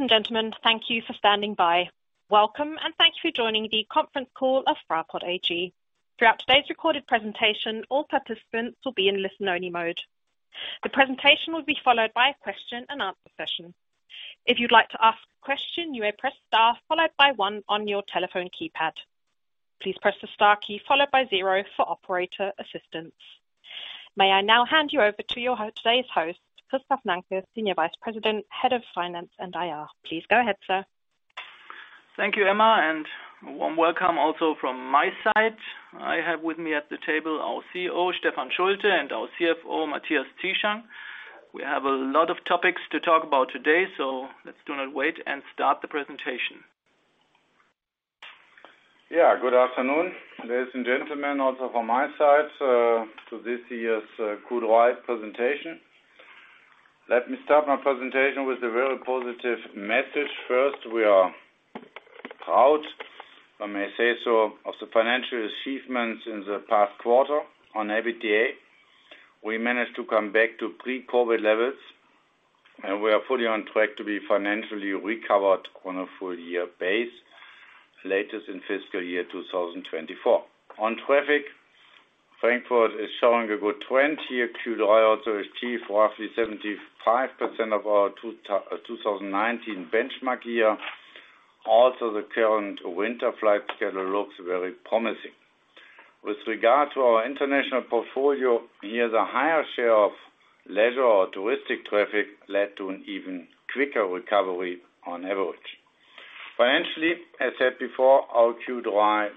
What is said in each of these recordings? Ladies and gentlemen, thank you for standing by. Welcome, and thank you for joining the conference call of Fraport AG. Throughout today's recorded presentation, all participants will be in listen-only mode. The presentation will be followed by a question and answer session. If you'd like to ask a question, you may press star followed by one on your telephone keypad. Please press the star key followed by zero for operator assistance. May I now hand you over to today's host, Christoph Nanke, Senior Vice President, Head of Finance and IR. Please go ahead, sir. Thank you, Emma, and warm welcome also from my side. I have with me at the table our CEO, Stefan Schulte, and our CFO, Matthias Zieschang. We have a lot of topics to talk about today, so let's do not wait and start the presentation. Yeah, good afternoon, ladies and gentlemen, also from my side, to this year's Q3 presentation. Let me start my presentation with a very positive message. First, we are proud, if I may say so, of the financial achievements in the past quarter on EBITDA. We managed to come back to pre-COVID levels, and we are fully on track to be financially recovered on a full year base, latest in fiscal year 2024. On traffic, Frankfurt is showing a good trend here, Q3 also achieved roughly 75% of our 2019 benchmark year. Also, the current winter flight schedule looks very promising. With regard to our international portfolio, here, the higher share of leisure or touristic traffic led to an even quicker recovery on average. Financially, as said before, our Q3,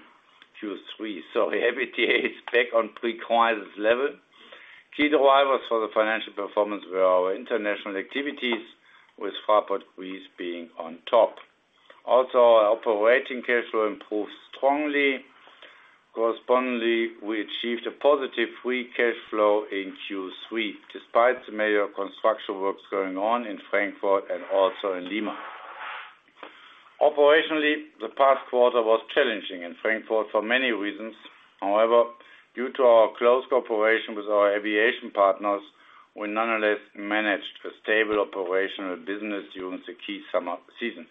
so the EBITDA is back on pre-crisis level. Key drivers for the financial performance were our international activities with Fraport Greece being on top. Also, our operating cash flow improved strongly. Correspondingly, we achieved a positive free cash flow in Q3, despite the major construction works going on in Frankfurt and also in Lima. Operationally, the past quarter was challenging in Frankfurt for many reasons. However, due to our close cooperation with our aviation partners, we nonetheless managed a stable operational business during the key summer season.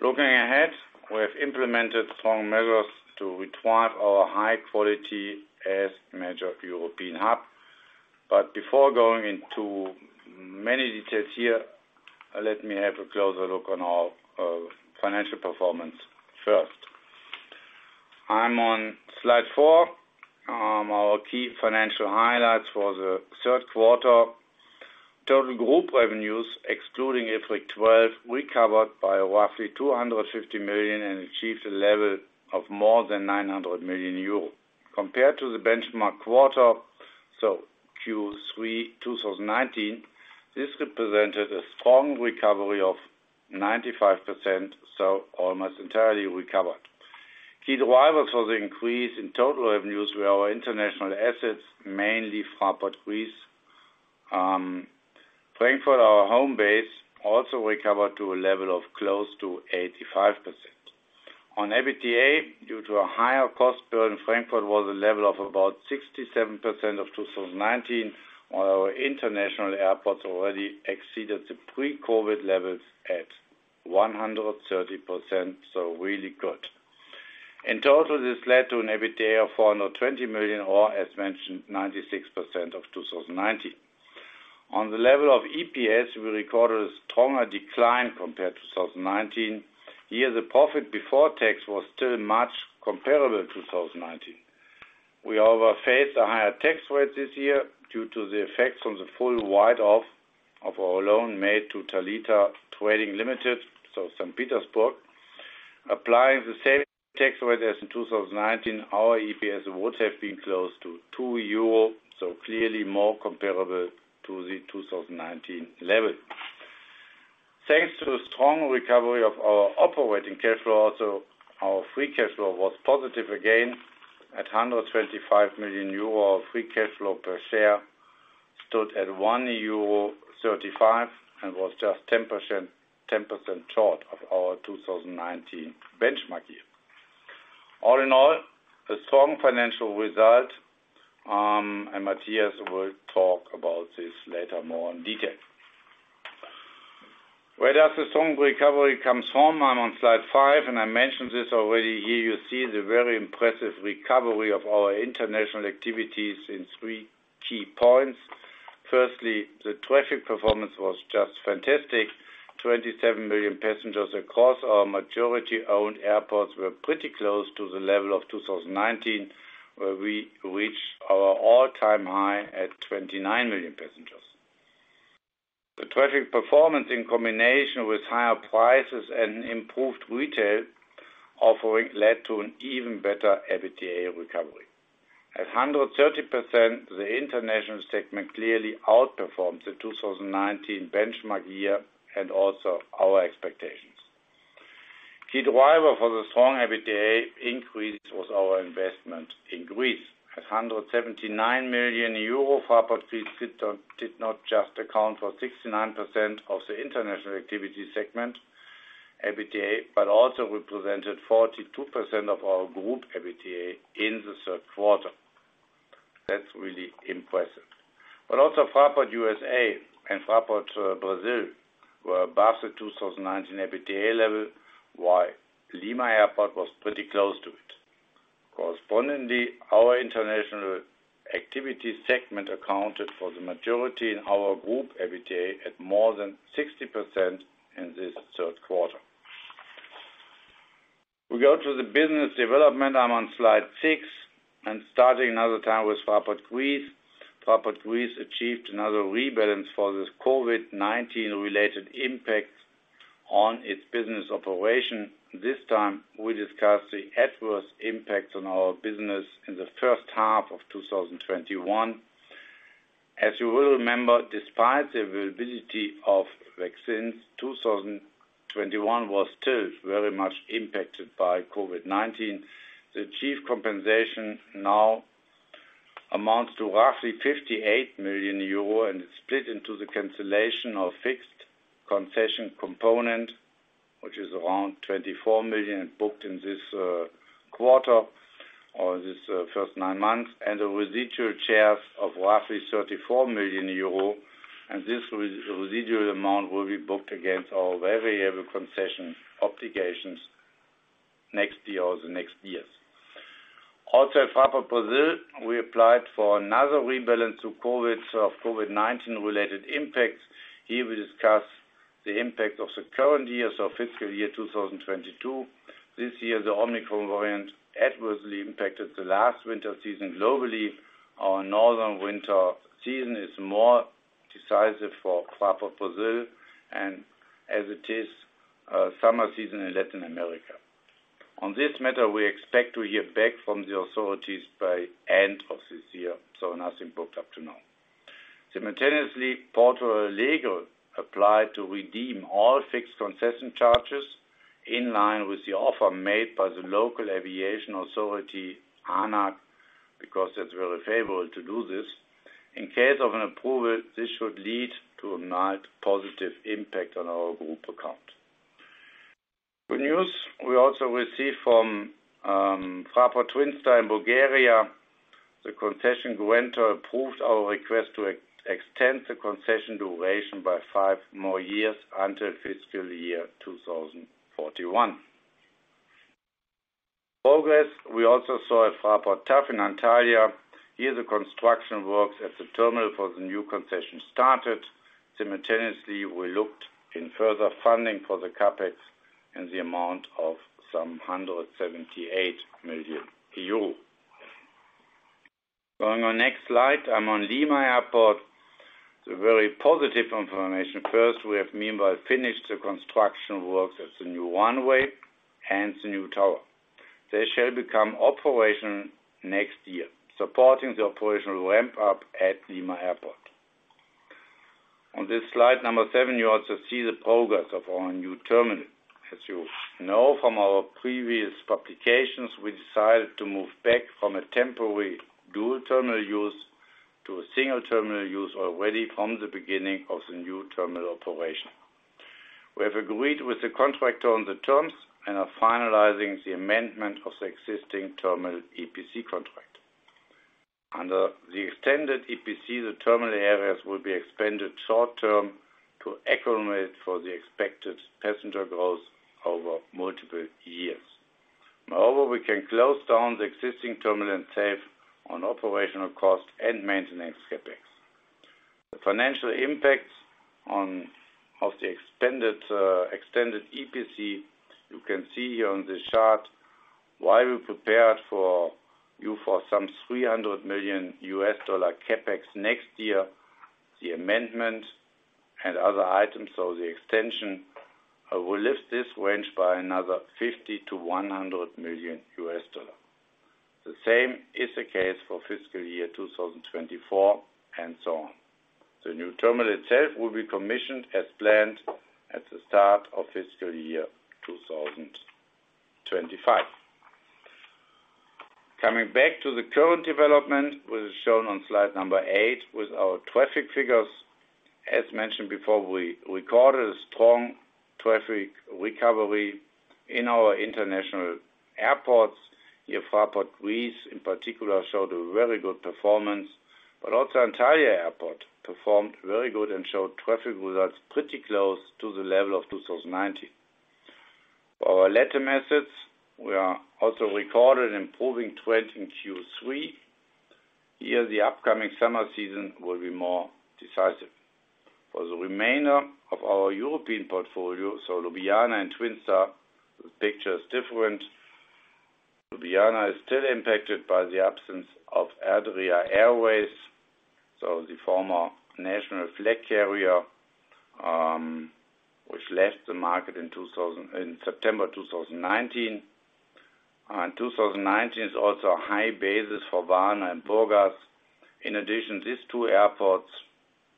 Looking ahead, we have implemented strong measures to regain our high quality as major European hub. Before going into many details here, let me have a closer look on our financial performance first. I'm on slide 4, our key financial highlights for the third quarter. Total group revenues, excluding IFRIC 12, recovered by roughly 250 million and achieved a level of more than 900 million euro. Compared to the benchmark quarter, so Q3 2019, this represented a strong recovery of 95%, so almost entirely recovered. Key drivers for the increase in total revenues were our international assets, mainly Fraport Greece. Frankfurt, our home base, also recovered to a level of close to 85%. On EBITDA, due to a higher cost burn, Frankfurt was a level of about 67% of 2019, while our international airports already exceeded the pre-COVID levels at 130%, so really good. In total, this led to an EBITDA of 420 million, or as mentioned, 96% of 2019. On the level of EPS, we recorded a stronger decline compared to 2019. Here, the profit before tax was still much comparable to 2019. We, however, faced a higher tax rate this year due to the effects on the full write-off of our loan made to Thalita Trading Limited, so Saint Petersburg. Applying the same tax rate as in 2019, our EPS would have been close to 2 euro, so clearly more comparable to the 2019 level. Thanks to the strong recovery of our operating cash flow, also our free cash flow was positive again at 125 million euro. Free cash flow per share stood at 1.35 euro and was just 10% short of our 2019 benchmark year. All in all, a strong financial result, and Matthias will talk about this later more in detail. Where does the strong recovery comes from? I'm on slide five, and I mentioned this already. Here you see the very impressive recovery of our international activities in three key points. Firstly, the traffic performance was just fantastic. 27 million passengers across our majority-owned airports were pretty close to the level of 2019, where we reached our all-time high at 29 million passengers. The traffic performance in combination with higher prices and improved retail offering led to an even better EBITDA recovery. At 130%, the international segment clearly outperformed the 2019 benchmark year and also our expectations. Key driver for the strong EBITDA increase was our investment in Greece. At 179 million euro, Fraport Greece did not just account for 69% of the international activity segment EBITDA, but also represented 42% of our group EBITDA in the third quarter. That's really impressive. Also Fraport USA and Fraport Brasil were above the 2019 EBITDA level, while Lima Airport was pretty close to it. Correspondingly, our international activity segment accounted for the majority in our group EBITDA at more than 60% in this third quarter. We go to the business development. I'm on slide six, and starting another time with Fraport Greece. Fraport Greece achieved another rebalance for this COVID-19 related impact on its business operation. This time, we discuss the adverse impacts on our business in the first half of 2021. As you will remember, despite the availability of vaccines, 2021 was still very much impacted by COVID-19. The chief compensation now amounts to roughly 58 million euro, and it's split into the cancellation of fixed concession component, which is around 24 million booked in this quarter or this first nine months, and the residual shares of roughly 34 million euro, and this residual amount will be booked against our variable concession obligations next year or the next years. Also at Fraport Brasil, we applied for another rebalance to COVID, so of COVID-19 related impacts. Here we discuss the impact of the current year, so fiscal year 2022. This year, the Omicron variant adversely impacted the last winter season globally. Our northern winter season is more decisive for Fraport Brasil and as it is, summer season in Latin America. On this matter, we expect to hear back from the authorities by end of this year, so nothing booked up to now. Simultaneously, Porto Alegre applied to redeem all fixed concession charges in line with the offer made by the local aviation authority, ANAC, because it's very favorable to do this. In case of an approval, this should lead to a mild positive impact on our group account. Good news we also received from Fraport Twin Star in Bulgaria. The concession grantor approved our request to extend the concession duration by 5 more years until fiscal year 2041. Progress we also saw at Fraport TAV in Antalya. Here, the construction works at the terminal for the new concession started. Simultaneously, we looked into further funding for the CapEx in the amount of some 178 million euro. Going on next slide, I'm on Lima Airport. The very positive information. First, we have meanwhile finished the construction works at the new runway and the new tower. They shall become operational next year, supporting the operational ramp up at Lima Airport. On this slide number seven, you also see the progress of our new terminal. As you know from our previous publications, we decided to move back from a temporary dual terminal use to a single terminal use already from the beginning of the new terminal operation. We have agreed with the contractor on the terms and are finalizing the amendment of the existing terminal EPC contract. Under the extended EPC, the terminal areas will be expanded short-term to accommodate for the expected passenger growth over multiple years. Moreover, we can close down the existing terminal and save on operational costs and maintenance CapEx. The financial impacts of the expanded extended EPC, you can see here on this chart. While we prepared for you some $300 million CapEx next year, the amendment and other items or the extension will lift this range by another $50-$100 million. The same is the case for fiscal year 2024, and so on. The new terminal itself will be commissioned as planned at the start of fiscal year 2025. Coming back to the current development, which is shown on slide 8, with our traffic figures. As mentioned before, we recorded a strong traffic recovery in our international airports. Here, Fraport Greece in particular showed a very good performance, but also Antalya Airport performed very good and showed traffic results pretty close to the level of 2019. For our Latin assets, we are also seeing improving trend in Q3. Here, the upcoming summer season will be more decisive. For the remainder of our European portfolio, so Ljubljana and Twin Star, the picture is different. Ljubljana is still impacted by the absence of Adria Airways, so the former national flag carrier, which left the market in September 2019. In 2019, it's also a high base for Varna and Burgas. In addition, these two airports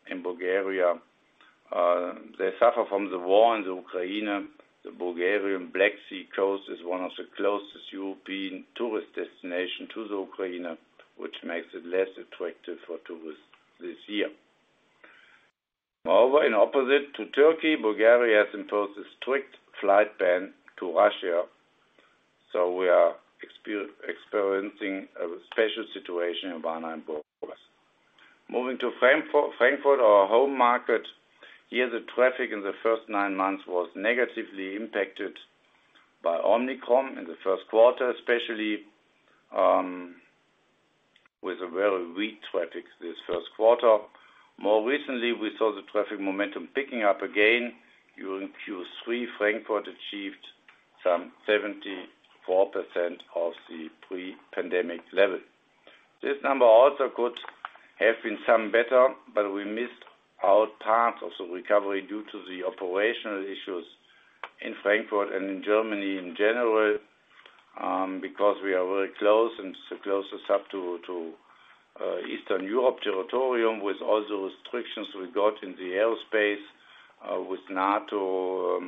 in Bulgaria, they suffer from the war in the Ukraine. The Bulgarian Black Sea coast is one of the closest European tourist destination to the Ukraine, which makes it less attractive for tourists this year. Moreover, in contrast to Turkey, Bulgaria has imposed a strict flight ban to Russia, so we are experiencing a special situation in Varna Airport. Moving to Frankfurt, our home market. Here, the traffic in the first nine months was negatively impacted by Omicron in the first quarter, especially with a very weak traffic this first quarter. More recently, we saw the traffic momentum picking up again. During Q3, Frankfurt achieved some 74% of the pre-pandemic level. This number also could have been some better, but we missed our part of the recovery due to the operational issues in Frankfurt and in Germany in general, because we are very close and the closest up to Eastern Europe territory, with all the restrictions we got in the airspace, with NATO,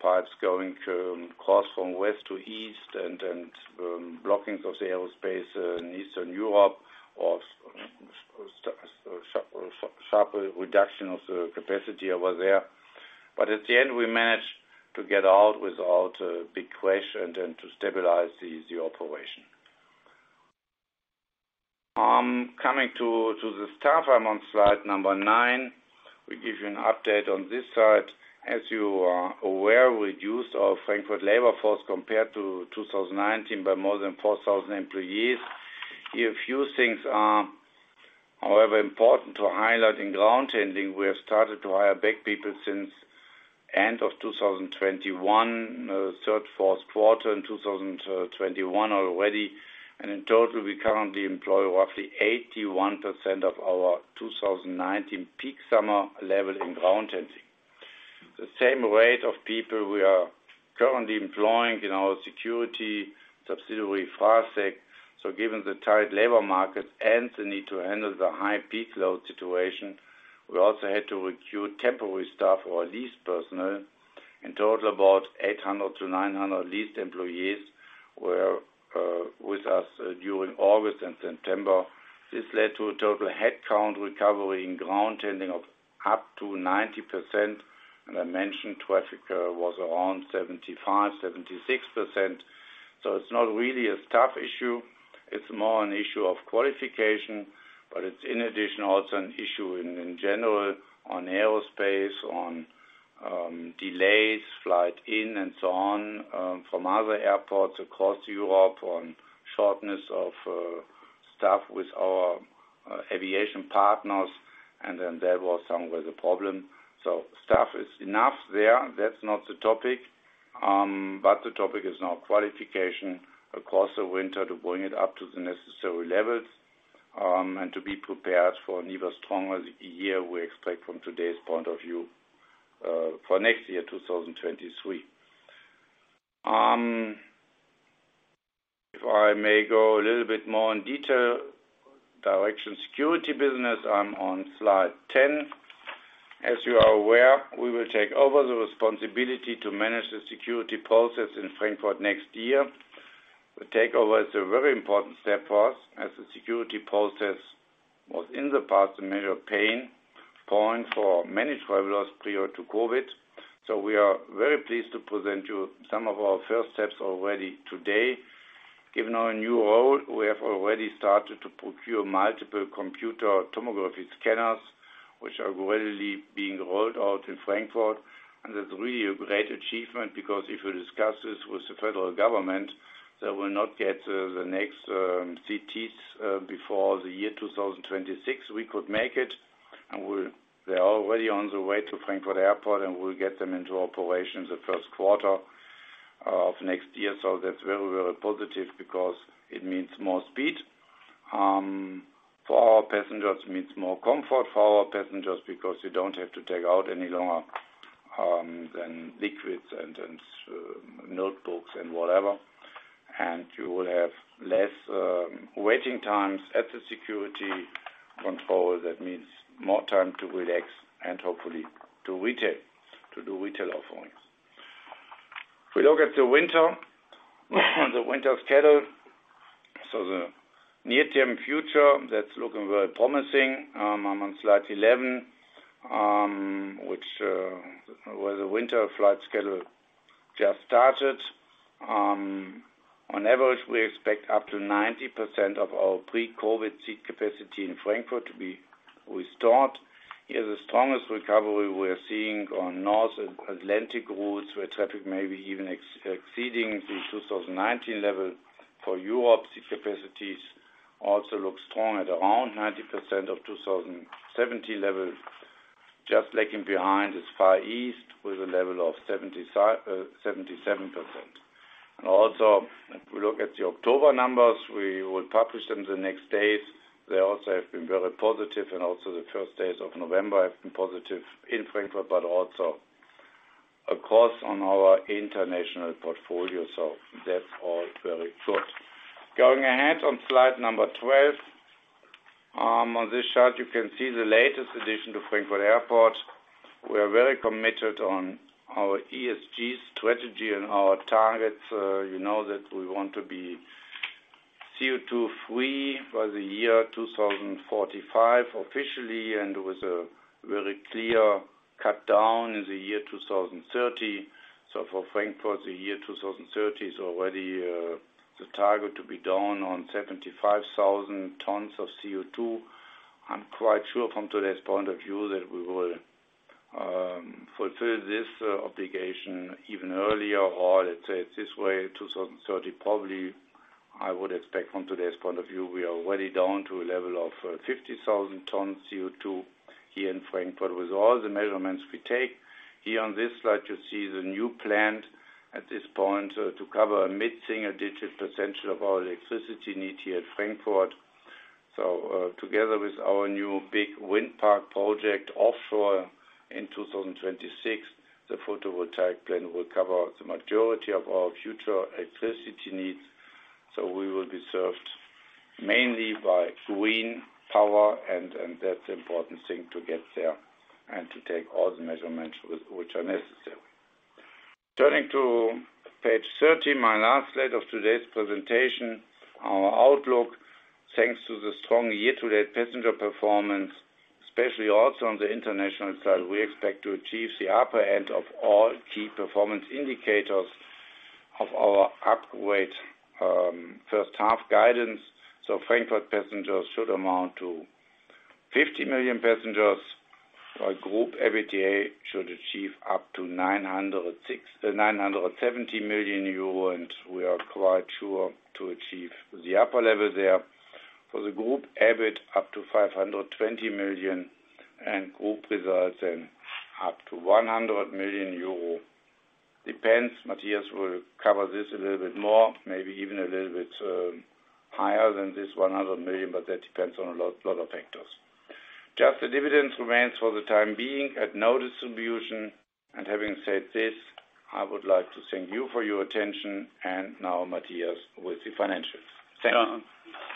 flights going to cross from west to east and blockings of the airspace in Eastern Europe or sharper reduction of the capacity over there. At the end, we managed to get out without a big crash and then to stabilize the operation. Coming to the staff on slide number 9, we give you an update on this slide. As you are aware, we reduced our Frankfurt labor force compared to 2019 by more than 4,000 employees. A few things are, however, important to highlight. In ground handling, we have started to hire back people since end of 2021, third, fourth quarter in 2021 already. In total, we currently employ roughly 81% of our 2019 peak summer level in ground handling. The same rate of people we are currently employing in our security subsidiary, FraSec. Given the tight labor market and the need to handle the high peak load situation, we also had to recruit temporary staff or lease personnel. In total, about 800-900 leased employees were with us during August and September. This led to a total headcount recovery in ground handling of up to 90%. I mentioned traffic was around 75-76%. It's not really a staff issue, it's more an issue of qualification. It's in addition also an issue in general on airside, on delays, flight in and so on, from other airports across Europe, on shortness of staff with our aviation partners. Then there was somewhere the problem. Staff is enough there. That's not the topic. The topic is now qualification across the winter to bring it up to the necessary levels, and to be prepared for an even stronger year we expect from today's point of view for next year, 2023. If I may go a little bit more in detail regarding security business. I'm on slide 10. As you are aware, we will take over the responsibility to manage the security process in Frankfurt next year. The takeover is a very important step for us as the security process was in the past a major pain point for many travelers prior to COVID. We are very pleased to present you some of our first steps already today. Given our new role, we have already started to procure multiple computed tomography scanners, which are gradually being rolled out in Frankfurt. That's really a great achievement because if you discuss this with the federal government, they will not get the next CTs before the year 2026. We could make it, and they're already on the way to Frankfurt Airport, and we'll get them into operation the first quarter of next year. That's very, very positive because it means more speed for our passengers. It means more comfort for our passengers because you don't have to take out no longer than liquids and notebooks and whatever. You will have less waiting times at the security control. That means more time to relax and hopefully to retail, to do retail offerings. If we look at the winter schedule, so the near-term future, that's looking very promising. I'm on slide 11, which where the winter flight schedule just started. On average, we expect up to 90% of our pre-COVID seat capacity in Frankfurt to be restored. Here, the strongest recovery we're seeing on North Atlantic routes, where traffic may be even exceeding the 2019 level. For Europe, seat capacities also look strong at around 90% of 2017 levels. Just lagging behind is Far East with a level of 77%. Also, if we look at the October numbers, we will publish them the next days. They also have been very positive, and also the first days of November have been positive in Frankfurt, but also, of course, on our international portfolio. That's all very good. Going ahead on slide 12. On this chart, you can see the latest addition to Frankfurt Airport. We are very committed on our ESG strategy and our targets. You know that we want to be CO2 free by the year 2045 officially, and with a very clear cut down in the year 2030. For Frankfurt, the year 2030 is already the target to be down on 75,000 tons of CO2. I'm quite sure from today's point of view that we will fulfill this obligation even earlier, or let's say it this way, 2030, probably I would expect from today's point of view, we are already down to a level of 50,000 tons CO2 here in Frankfurt. With all the measurements we take here on this slide, you see the new plant at this point to cover a mid-single-digit % of our electricity need here at Frankfurt. Together with our new big wind park project offshore in 2026, the photovoltaic plant will cover the majority of our future electricity needs. We will be served mainly by green power, and that's important thing to get there and to take all the measurements which are necessary. Turning to page 13, my last slide of today's presentation, our outlook, thanks to the strong year-to-date passenger performance, especially also on the international side, we expect to achieve the upper end of all key performance indicators of our upward first half guidance. Frankfurt passengers should amount to 50 million passengers. Our group EBITDA should achieve up to 906... 970 million euro, and we are quite sure to achieve the upper level there. For the group, EBIT up to 520 million, and group results in up to 100 million euro. Depends, Matthias will cover this a little bit more, maybe even a little bit higher than this 100 million, but that depends on a lot of factors. Just the dividends remains for the time being at no distribution. Having said this, I would like to thank you for your attention and now Matthias with the financials. Thank you. Yeah.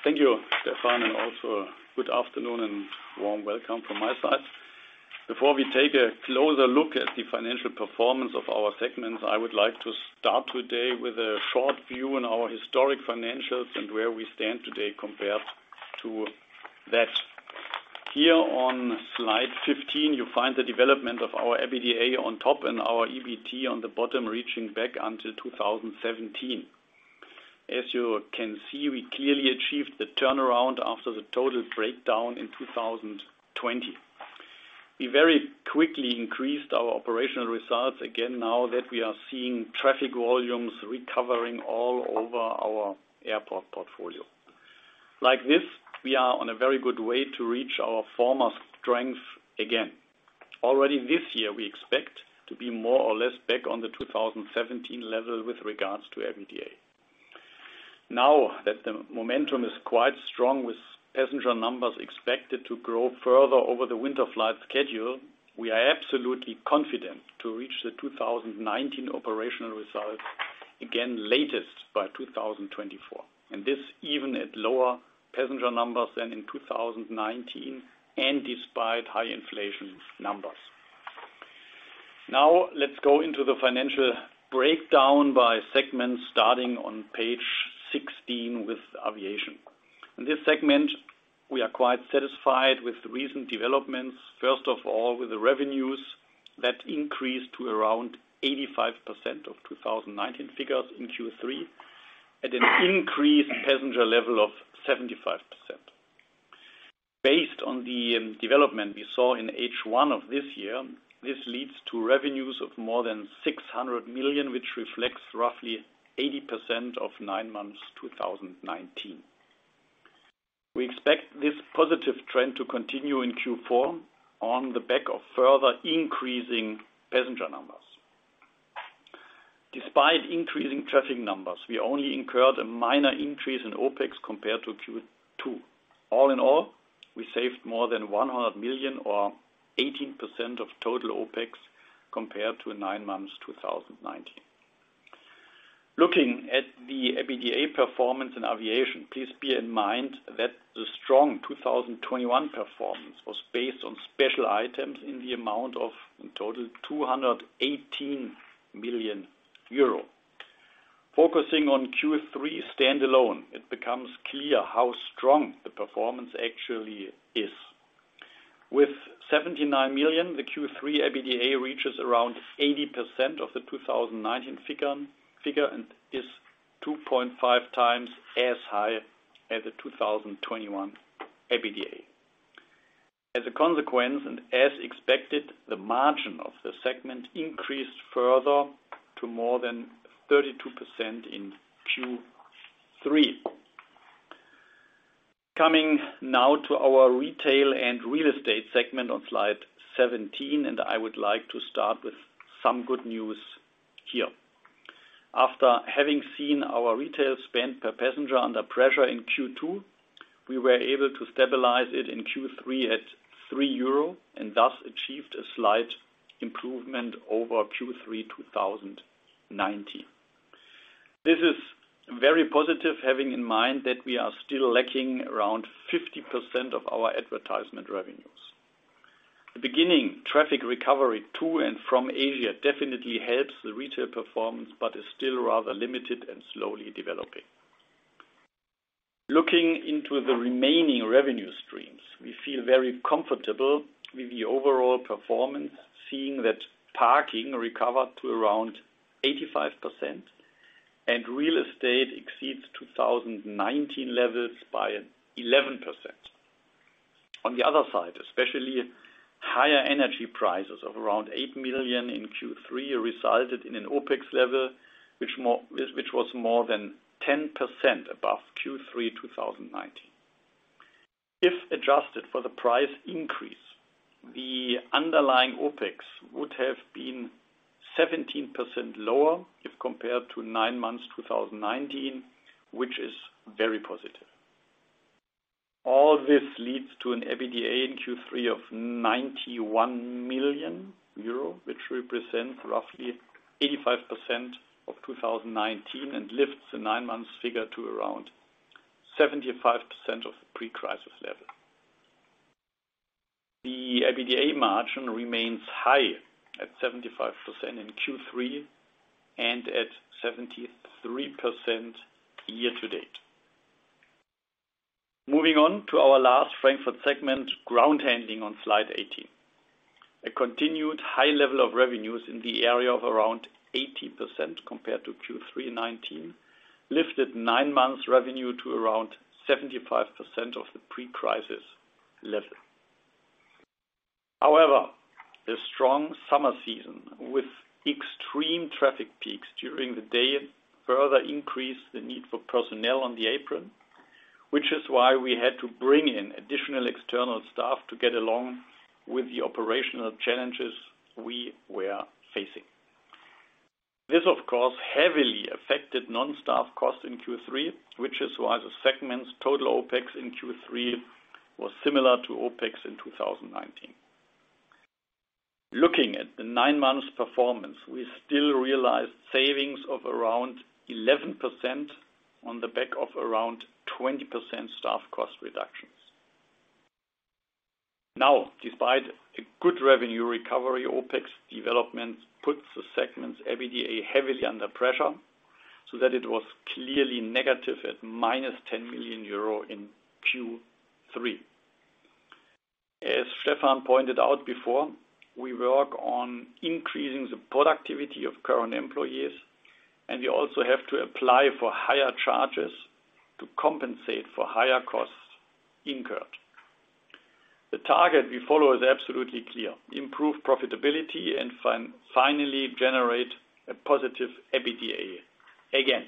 Thank you, Stefan, and also good afternoon and warm welcome from my side. Before we take a closer look at the financial performance of our segments, I would like to start today with a short view on our historic financials and where we stand today compared to that. Here on slide 15, you find the development of our EBITDA on top and our EBT on the bottom, reaching back until 2017. As you can see, we clearly achieved the turnaround after the total breakdown in 2020. We very quickly increased our operational results again now that we are seeing traffic volumes recovering all over our airport portfolio. Like this, we are on a very good way to reach our former strength again. Already this year, we expect to be more or less back on the 2017 level with regards to EBITDA. Now that the momentum is quite strong with passenger numbers expected to grow further over the winter flight schedule, we are absolutely confident to reach the 2019 operational results again latest by 2024. This even at lower passenger numbers than in 2019 and despite high inflation numbers. Now, let's go into the financial breakdown by segments starting on page 16 with aviation. In this segment, we are quite satisfied with the recent developments, first of all, with the revenues that increased to around 85% of 2019 figures in Q3 at an increased passenger level of 75%. Based on the development we saw in H1 of this year, this leads to revenues of more than 600 million, which reflects roughly 80% of nine months 2019. We expect this positive trend to continue in Q4 on the back of further increasing passenger numbers. Despite increasing traffic numbers, we only incurred a minor increase in OpEx compared to Q2. All in all, we saved more than 100 million or 18% of total OpEx compared to nine months 2019. Looking at the EBITDA performance in aviation, please bear in mind that the strong 2021 performance was based on special items in the amount of, in total, 218 million euro. Focusing on Q3 standalone, it becomes clear how strong the performance actually is. With 79 million, the Q3 EBITDA reaches around 80% of the 2019 figure and is 2.5 times as high as the 2021 EBITDA. As a consequence, and as expected, the margin of the segment increased further to more than 32% in Q3. Coming now to our retail and real estate segment on slide 17, I would like to start with some good news here. After having seen our retail spend per passenger under pressure in Q2, we were able to stabilize it in Q3 at 3 euro and thus achieved a slight improvement over Q3 2019. This is very positive having in mind that we are still lacking around 50% of our advertisement revenues. Beginning traffic recovery to and from Asia definitely helps the retail performance, but is still rather limited and slowly developing. Looking into the remaining revenue streams, we feel very comfortable with the overall performance, seeing that parking recovered to around 85% and real estate exceeds 2019 levels by 11%. On the other side, especially higher energy prices of around 8 million in Q3 resulted in an OpEx level which was more than 10% above Q3 2019. If adjusted for the price increase, the underlying OpEx would have been 17% lower if compared to nine months 2019, which is very positive. All this leads to an EBITDA in Q3 of 91 million euro, which represents roughly 85% of 2019 and lifts the nine months figure to around 75% of the pre-crisis level. The EBITDA margin remains high at 75% in Q3 and at 73% year-to-date. Moving on to our last Frankfurt segment, ground handling on slide 18. A continued high level of revenues in the area of around 80% compared to Q3 2019 lifted nine months revenue to around 75% of the pre-crisis level. However, a strong summer season with extreme traffic peaks during the day further increased the need for personnel on the apron, which is why we had to bring in additional external staff to get along with the operational challenges we were facing. This of course heavily affected non-staff costs in Q3, which is why the segment's total OpEx in Q3 was similar to OpEx in 2019. Looking at the nine months performance, we still realized savings of around 11% on the back of around 20% staff cost reductions. Now, despite a good revenue recovery, OpEx development puts the segment's EBITDA heavily under pressure so that it was clearly negative at -10 million euro in Q3. As Stefan pointed out before, we work on increasing the productivity of current employees, and we also have to apply for higher charges to compensate for higher costs incurred. The target we follow is absolutely clear, improve profitability and finally generate a positive EBITDA again.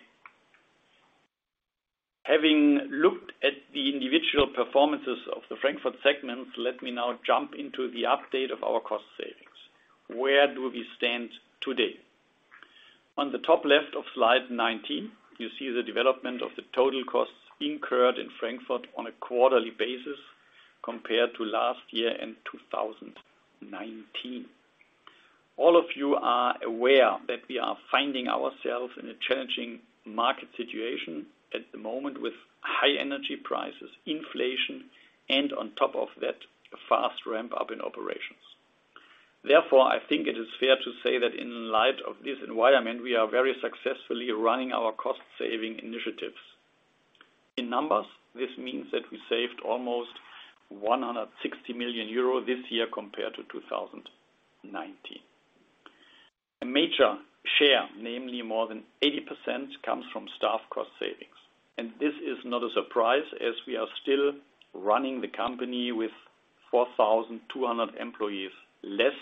Having looked at the individual performances of the Frankfurt segments, let me now jump into the update of our cost savings. Where do we stand today? On the top left of slide 19, you see the development of the total costs incurred in Frankfurt on a quarterly basis compared to last year in 2019. All of you are aware that we are finding ourselves in a challenging market situation at the moment with high energy prices, inflation, and on top of that, a fast ramp-up in operations. Therefore, I think it is fair to say that in light of this environment, we are very successfully running our cost-saving initiatives. In numbers, this means that we saved almost 160 million euro this year compared to 2019. A major share, namely more than 80%, comes from staff cost savings. This is not a surprise as we are still running the company with 4,200 employees less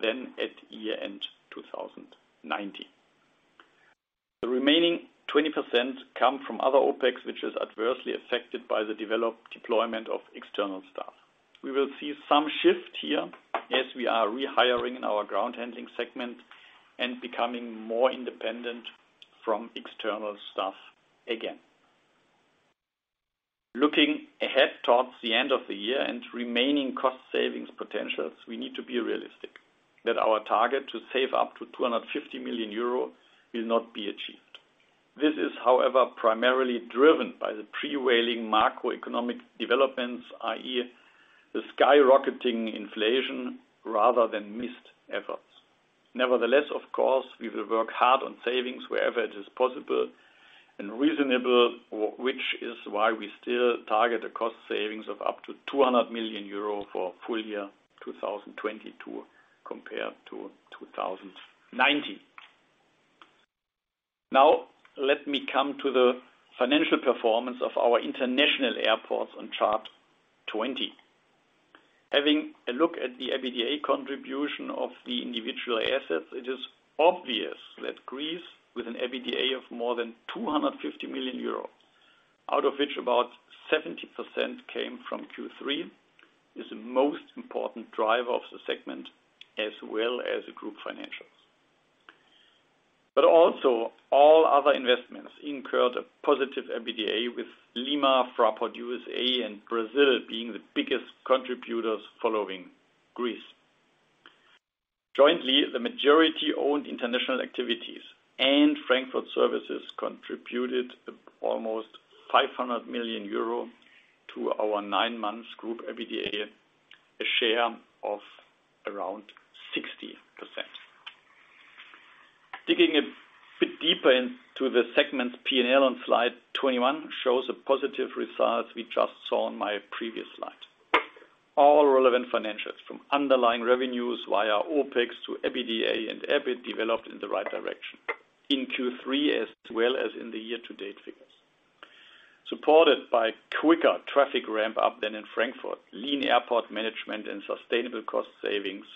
than at year-end 2019. The remaining 20% come from other OpEx, which is adversely affected by the deployment of external staff. We will see some shift here as we are rehiring in our ground handling segment and becoming more independent from external staff again. Looking ahead towards the end of the year and remaining cost savings potentials, we need to be realistic that our target to save up to 250 million euro will not be achieved. This is, however, primarily driven by the prevailing macroeconomic developments, i.e., the skyrocketing inflation rather than missed efforts. Nevertheless, of course, we will work hard on savings wherever it is possible and reasonable, which is why we still target a cost savings of up to 200 million euro for full year 2022 compared to 2019. Now, let me come to the financial performance of our international airports on chart 20. Having a look at the EBITDA contribution of the individual assets, it is obvious that Greece, with an EBITDA of more than 250 million euro, out of which about 70% came from Q3, is the most important driver of the segment as well as the group financials. Also all other investments incurred a positive EBITDA, with Lima, Fraport USA and Brazil being the biggest contributors following Greece. Jointly, the majority-owned international activities and Frankfurt Services contributed almost 500 million euro to our nine months group EBITDA, a share of around 60%. Digging a bit deeper into the segment's P&L on slide 21 shows a positive result we just saw on my previous slide. All relevant financials from underlying revenues via OpEx to EBITDA and EBIT developed in the right direction in Q3 as well as in the year-to-date figures. Supported by quicker traffic ramp up than in Frankfurt, lean airport management and sustainable cost savings,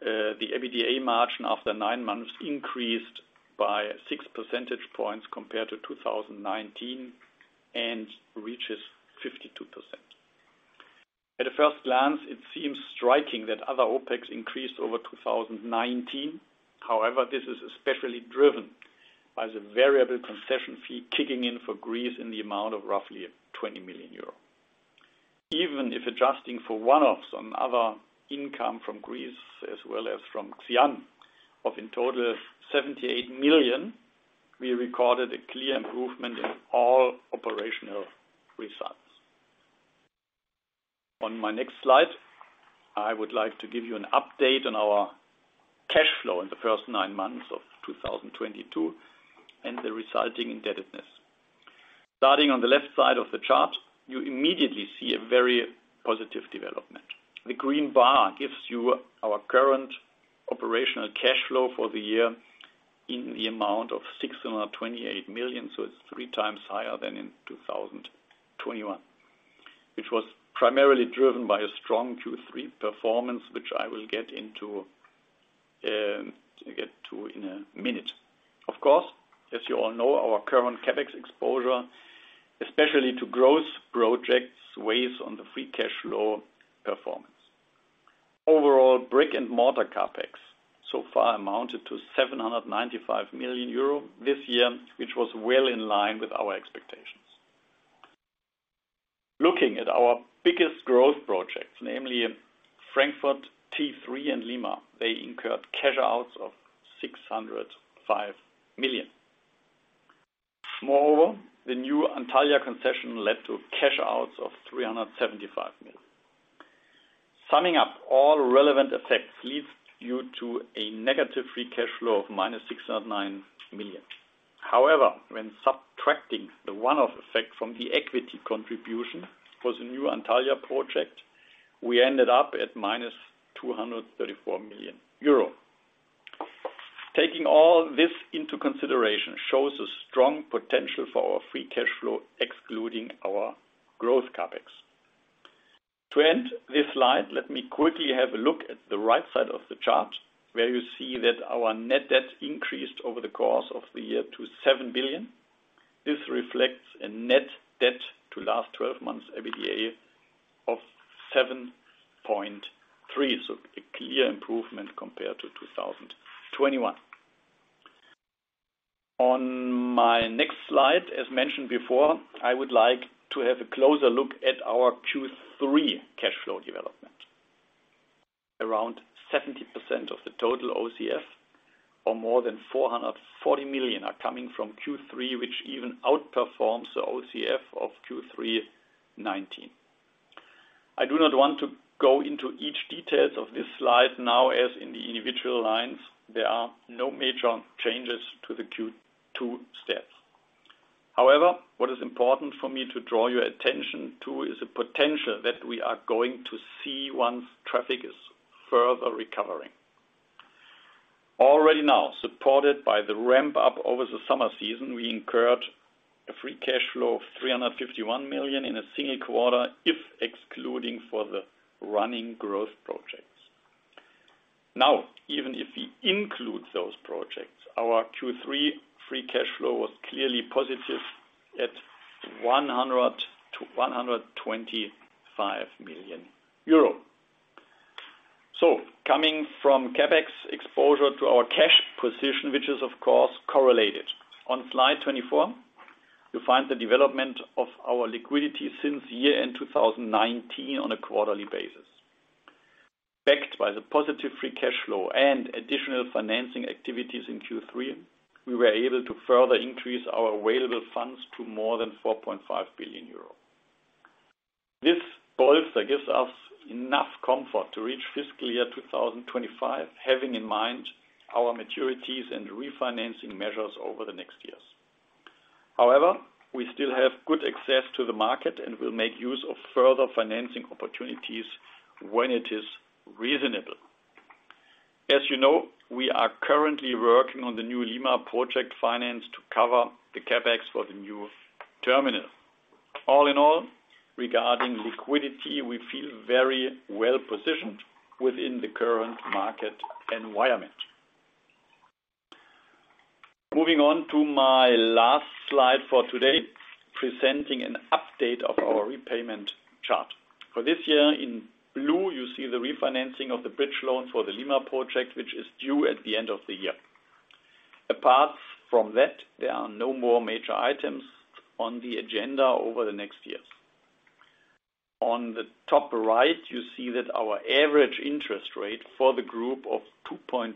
the EBITDA margin after 9 months increased by 6 percentage points compared to 2019, and reaches 52%. At a first glance, it seems striking that other OpEx increased over 2019. However, this is especially driven by the variable concession fee kicking in for Greece in the amount of roughly 20 million euro. Even if adjusting for one-offs on other income from Greece as well as from Xi'an of in total 78 million, we recorded a clear improvement in all operational results. On my next slide, I would like to give you an update on our cash flow in the first 9 months of 2022 and the resulting indebtedness. Starting on the left side of the chart, you immediately see a very positive development. The green bar gives you our current operational cash flow for the year in the amount of 628 million, so it's three times higher than in 2021, which was primarily driven by a strong Q3 performance, which I will get to in a minute. Of course, as you all know, our current CapEx exposure, especially to growth projects, weighs on the free cash flow performance. Overall, brick-and-mortar CapEx so far amounted to 795 million euro this year, which was well in line with our expectations. Looking at our biggest growth projects, namely Frankfurt T3 and Lima, they incurred cash outs of 605 million. Moreover, the new Antalya concession led to cash outs of 375 million. Summing up all relevant effects leads you to a negative free cash flow of -609 million. However, when subtracting the one-off effect from the equity contribution for the new Antalya project, we ended up at -234 million euro. Taking all this into consideration shows a strong potential for our free cash flow, excluding our growth CapEx. To end this slide, let me quickly have a look at the right side of the chart, where you see that our net debt increased over the course of the year to 7 billion. This reflects a net debt to last twelve months EBITDA of 7.3, so a clear improvement compared to 2021. On my next slide, as mentioned before, I would like to have a closer look at our Q3 cash flow development. Around 70% of the total OCF or more than 440 million are coming from Q3, which even outperforms the OCF of Q3 2019. I do not want to go into each detail of this slide now, as in the individual lines, there are no major changes to the Q2 stats. However, what is important for me to draw your attention to is the potential that we are going to see once traffic is further recovering. Already now, supported by the ramp up over the summer season, we incurred a free cash flow of 351 million in a single quarter if excluding the running growth projects. Now, even if we include those projects, our Q3 free cash flow was clearly positive at EUR 100 million-EUR 125 million. Coming from CapEx exposure to our cash position, which is of course correlated. On slide 24, you'll find the development of our liquidity since year-end 2019 on a quarterly basis. Backed by the positive free cash flow and additional financing activities in Q3, we were able to further increase our available funds to more than 4.5 billion euro. This bolster gives us enough comfort to reach fiscal year 2025, having in mind our maturities and refinancing measures over the next years. However, we still have good access to the market and will make use of further financing opportunities when it is reasonable. As you know, we are currently working on the new Lima project finance to cover the CapEx for the new terminal. All in all, regarding liquidity, we feel very well positioned within the current market environment. Moving on to my last slide for today, presenting an update of our repayment chart. For this year, in blue you see the refinancing of the bridge loan for the Lima project, which is due at the end of the year. Apart from that, there are no more major items on the agenda over the next years. On the top right, you see that our average interest rate for the group of 2.2%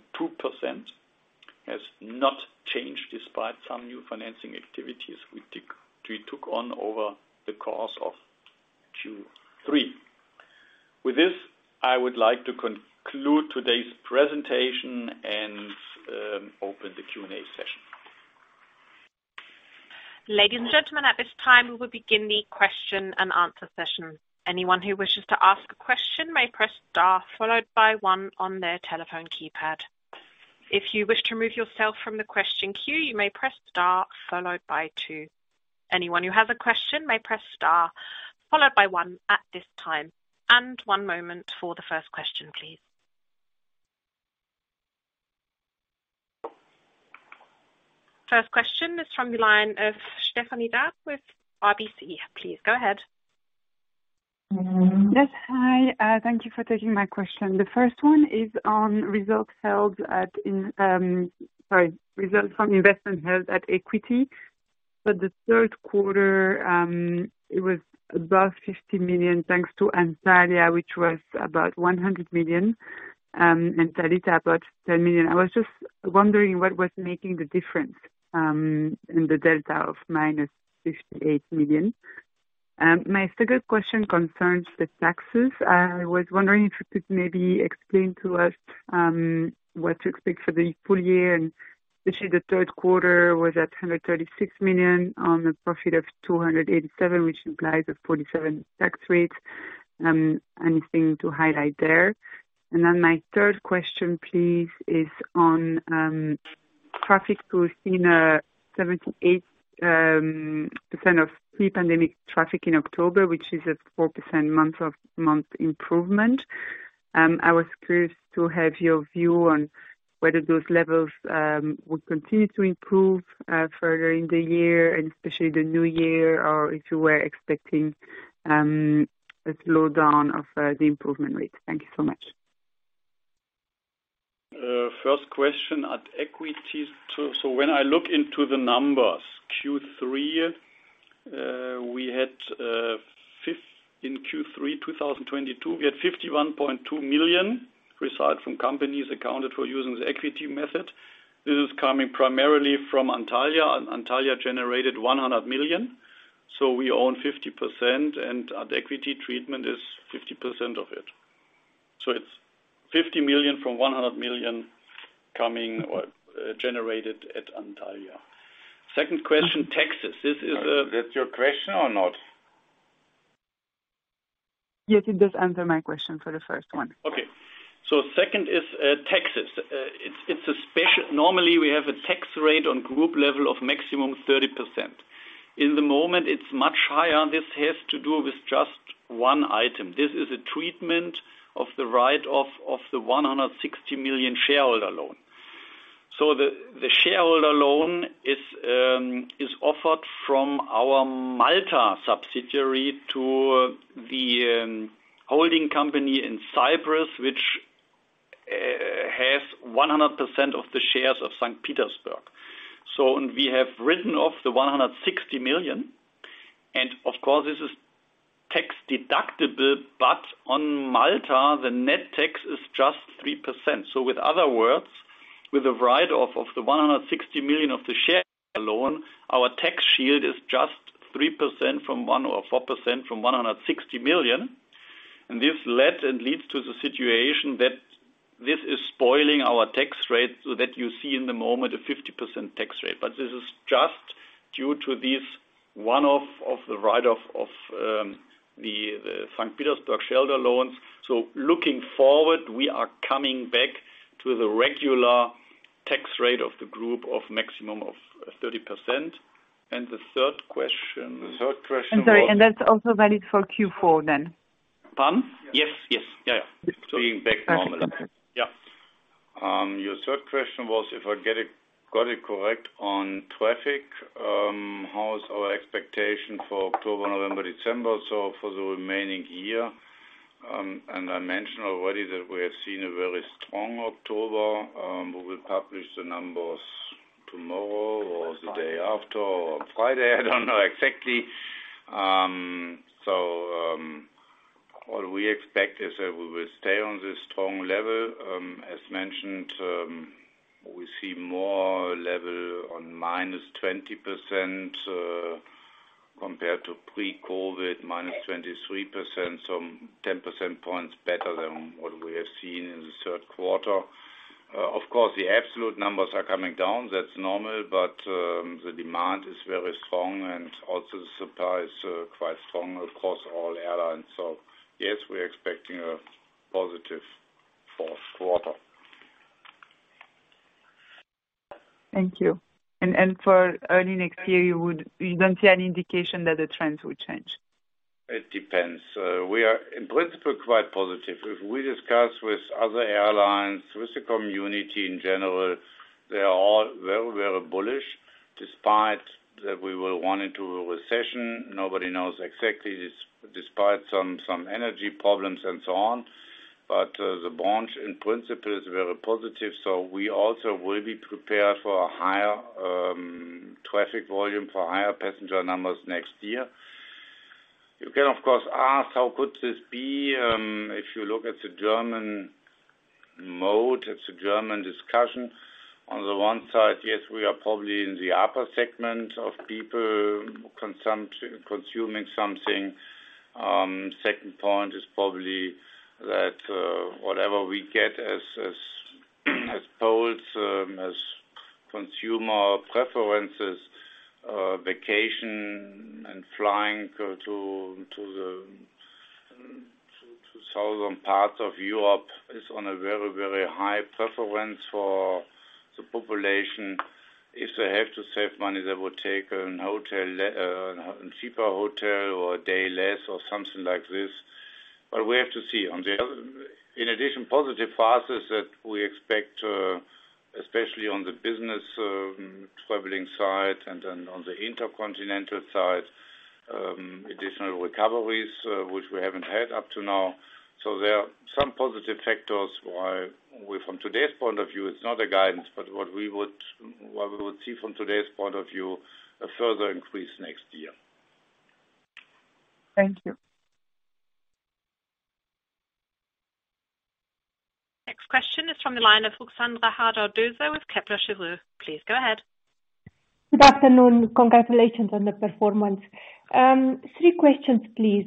has not changed despite some new financing activities we took on over the course of Q3. With this, I would like to conclude today's presentation and open the Q&A session. Ladies and gentlemen, at this time, we will begin the question and answer session. Anyone who wishes to ask a question may press star followed by one on their telephone keypad. If you wish to remove yourself from the question queue, you may press star followed by two. Anyone who has a question may press star followed by one at this time. One moment for the first question, please. First question is from the line of Stephanie D'Ath with RBC. Please go ahead. Yes. Hi. Thank you for taking my question. The first one is on results from investment held at equity. For the third quarter, it was above 50 million, thanks to Antalya, which was about 100 million, and Thalita about 10 million. I was just wondering what was making the difference in the delta of -58 million. My second question concerns the taxes. I was wondering if you could maybe explain to us what to expect for the full year. Actually the third quarter was at 136 million on a profit of 287 million, which implies a 47% tax rate. Anything to highlight there? My third question, please, is on traffic growth in 78% of pre-pandemic traffic in October, which is a 4% month-over-month improvement. I was curious to have your view on whether those levels will continue to improve further in the year and especially the new year, or if you were expecting a slowdown of the improvement rate. Thank you so much. First question at equity. When I look into the numbers, in Q3 2022, we had 51.2 million results from companies accounted for using the equity method. This is coming primarily from Antalya. Antalya generated 100 million, so we own 50%, and at equity treatment is 50% of it. It's 50 million from 100 million coming or generated at Antalya. Second question, taxes. This is That's your question or not? Yes, you just answered my question for the first one. Okay. Second is taxes. It's a special. Normally, we have a tax rate on group level of maximum 30%. At the moment, it's much higher. This has to do with just one item. This is a treatment of the write-off of the 160 million shareholder loan. The shareholder loan is offered from our Malta subsidiary to the holding company in Cyprus, which has 100% of the shares of Saint Petersburg. We have written off the 160 million. Of course, this is tax deductible, but on Malta, the net tax is just 3%. With other words, with a write-off of 160 million of the share alone, our tax shield is just 3% or 4% from 160 million. This led and leads to the situation that this is spoiling our tax rate so that you see in the moment a 50% tax rate. This is just due to this one-off of the write-off of the St. Petersburg shareholder loans. Looking forward, we are coming back to the regular tax rate of the group of maximum of 30%. The third question was. I'm sorry, and that's also valid for Q4 then? Pardon? Yes. Yes. Yeah. Being back to normal. Yeah. Your third question was, if I got it correct on traffic, how is our expectation for October, November, December, so for the remaining year? I mentioned already that we have seen a very strong October. We will publish the numbers tomorrow or the day after or on Friday. I don't know exactly. What we expect is that we will stay on this strong level. As mentioned, we see more or less -20%, compared to pre-COVID, -23%, so 10 percentage points better than what we have seen in the third quarter. Of course, the absolute numbers are coming down. That's normal. The demand is very strong, and also the supply is quite strong across all airlines. Yes, we are expecting a positive fourth quarter. Thank you. For early next year, you don't see any indication that the trends will change? It depends. We are in principle quite positive. If we discuss with other airlines, with the community in general, they are all very, very bullish. Despite that we will run into a recession, nobody knows exactly, despite some energy problems and so on. The branch in principle is very positive, so we also will be prepared for a higher traffic volume, for higher passenger numbers next year. You can, of course, ask how could this be? If you look at the German mood, at the German discussion, on the one side, yes, we are probably in the upper segment of people consuming something. Second point is probably that, whatever we get as polls, as consumer preferences, vacation and flying to the southern parts of Europe is on a very, very high preference for the population. If they have to save money, they would take a cheaper hotel or a day less or something like this, but we have to see. On the other. In addition, positive factors that we expect, especially on the business traveling side and then on the intercontinental side, additional recoveries, which we haven't had up to now. There are some positive factors why we from today's point of view, it's not a guidance, but what we would see from today's point of view, a further increase next year. Thank you. Next question is from the line of Ruxandra Haradau-Doser with Kepler Cheuvreux. Please go ahead. Good afternoon. Congratulations on the performance. Three questions, please.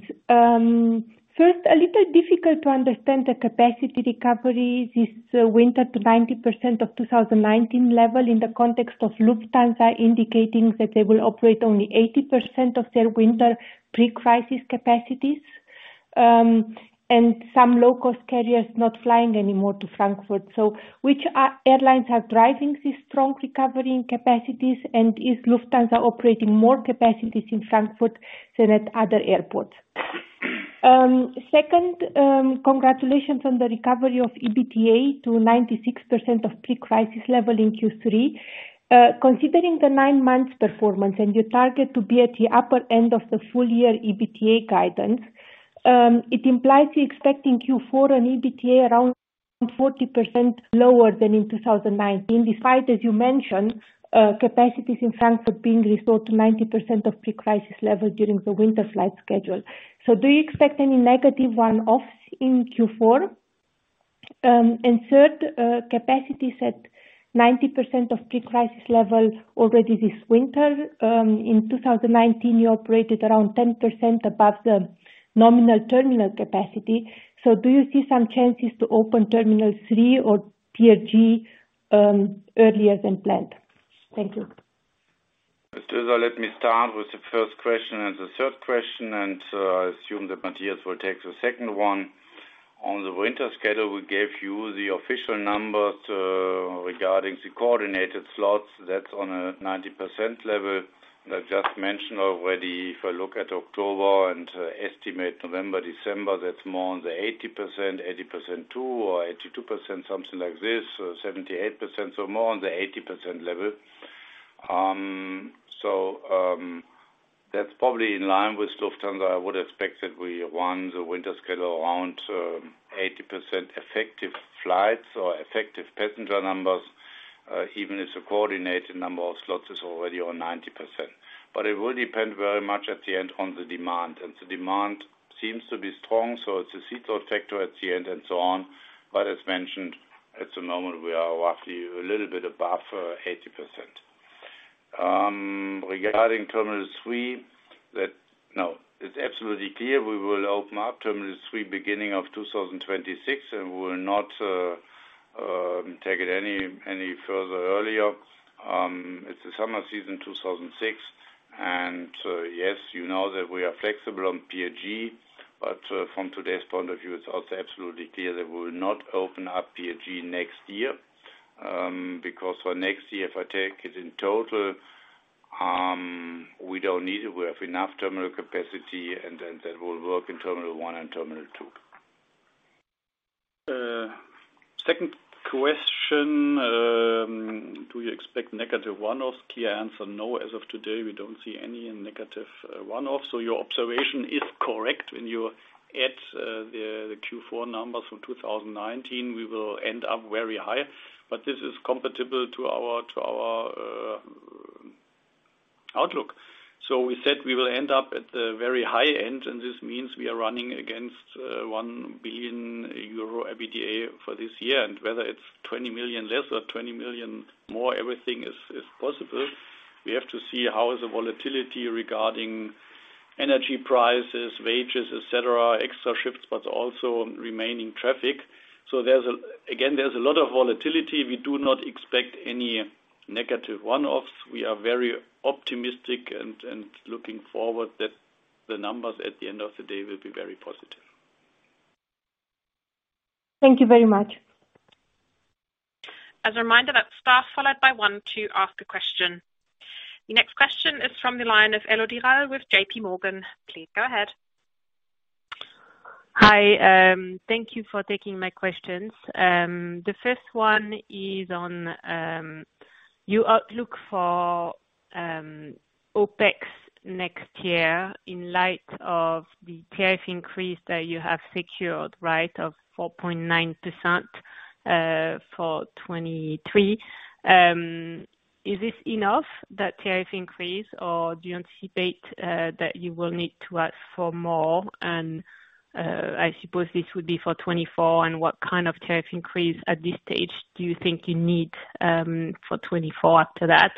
First, a little difficult to understand the capacity recoveries this winter to 90% of 2019 level in the context of Lufthansa indicating that they will operate only 80% of their winter pre-crisis capacities, and some low-cost carriers not flying anymore to Frankfurt. Which airlines are driving this strong recovery in capacities, and is Lufthansa operating more capacities in Frankfurt than at other airports? Second, congratulations on the recovery of EBITDA to 96% of pre-crisis level in Q3. Considering the nine months performance and your target to be at the upper end of the full year EBITDA guidance, it implies you're expecting Q4 EBITDA around 40% lower than in 2019, despite, as you mentioned, capacities in Frankfurt being restored to 90% of pre-crisis level during the winter flight schedule. Do you expect any negative one-offs in Q4? And third, capacities at 90% of pre-crisis level already this winter. In 2019, you operated around 10% above the nominal terminal capacity. Do you see some chances to open Terminal 3 or Pier G earlier than planned? Thank you. Let me start with the first question and the third question, and I assume that Matthias will take the second one. On the winter schedule, we gave you the official numbers regarding the coordinated slots. That's on a 90% level. I just mentioned already, if I look at October and estimate November, December, that's more on the 80%, 82% or 82%, something like this, or 78%, so more on the 80% level. That's probably in line with Lufthansa. I would expect that we run the winter schedule around 80% effective flights or effective passenger numbers, even if the coordinated number of slots is already on 90%. It will depend very much at the end on the demand, and the demand seems to be strong, so it's a seasonal factor at the end and so on. As mentioned, at the moment, we are roughly a little bit above 80%. Regarding Terminal 3, it's absolutely clear we will open up Terminal 3 beginning of 2026, and we will not take it any further earlier. It's the summer season, 2026. Yes, you know that we are flexible on PRG, but from today's point of view, it's also absolutely clear that we will not open up PRG next year. Because for next year, if I take it in total, we don't need it. We have enough terminal capacity, and then that will work in Terminal 1 and Terminal 2. Second question, do you expect negative one-offs? Key answer, no. As of today, we don't see any negative one-offs. Your observation is correct when you add the Q4 numbers from 2019, we will end up very high. This is comparable to our outlook. We said we will end up at the very high end, and this means we are running against 1 billion euro EBITDA for this year. Whether it's 20 million less or 20 million more, everything is possible. We have to see how is the volatility regarding energy prices, wages, et cetera, extra shifts, but also remaining traffic. There's a lot of volatility. We do not expect any negative one-offs. We are very optimistic and looking forward that the numbers at the end of the day will be very positive. Thank you very much. As a reminder, that's star followed by one to ask a question. The next question is from the line of Elodie Rall with J.P. Morgan. Please go ahead. Hi. Thank you for taking my questions. The first one is on your outlook for OpEx next year in light of the tariff increase that you have secured, right, of 4.9%? For 2023, is this enough, that tariff increase, or do you anticipate that you will need to ask for more? I suppose this would be for 2024, and what kind of tariff increase at this stage do you think you need for 2024 after that?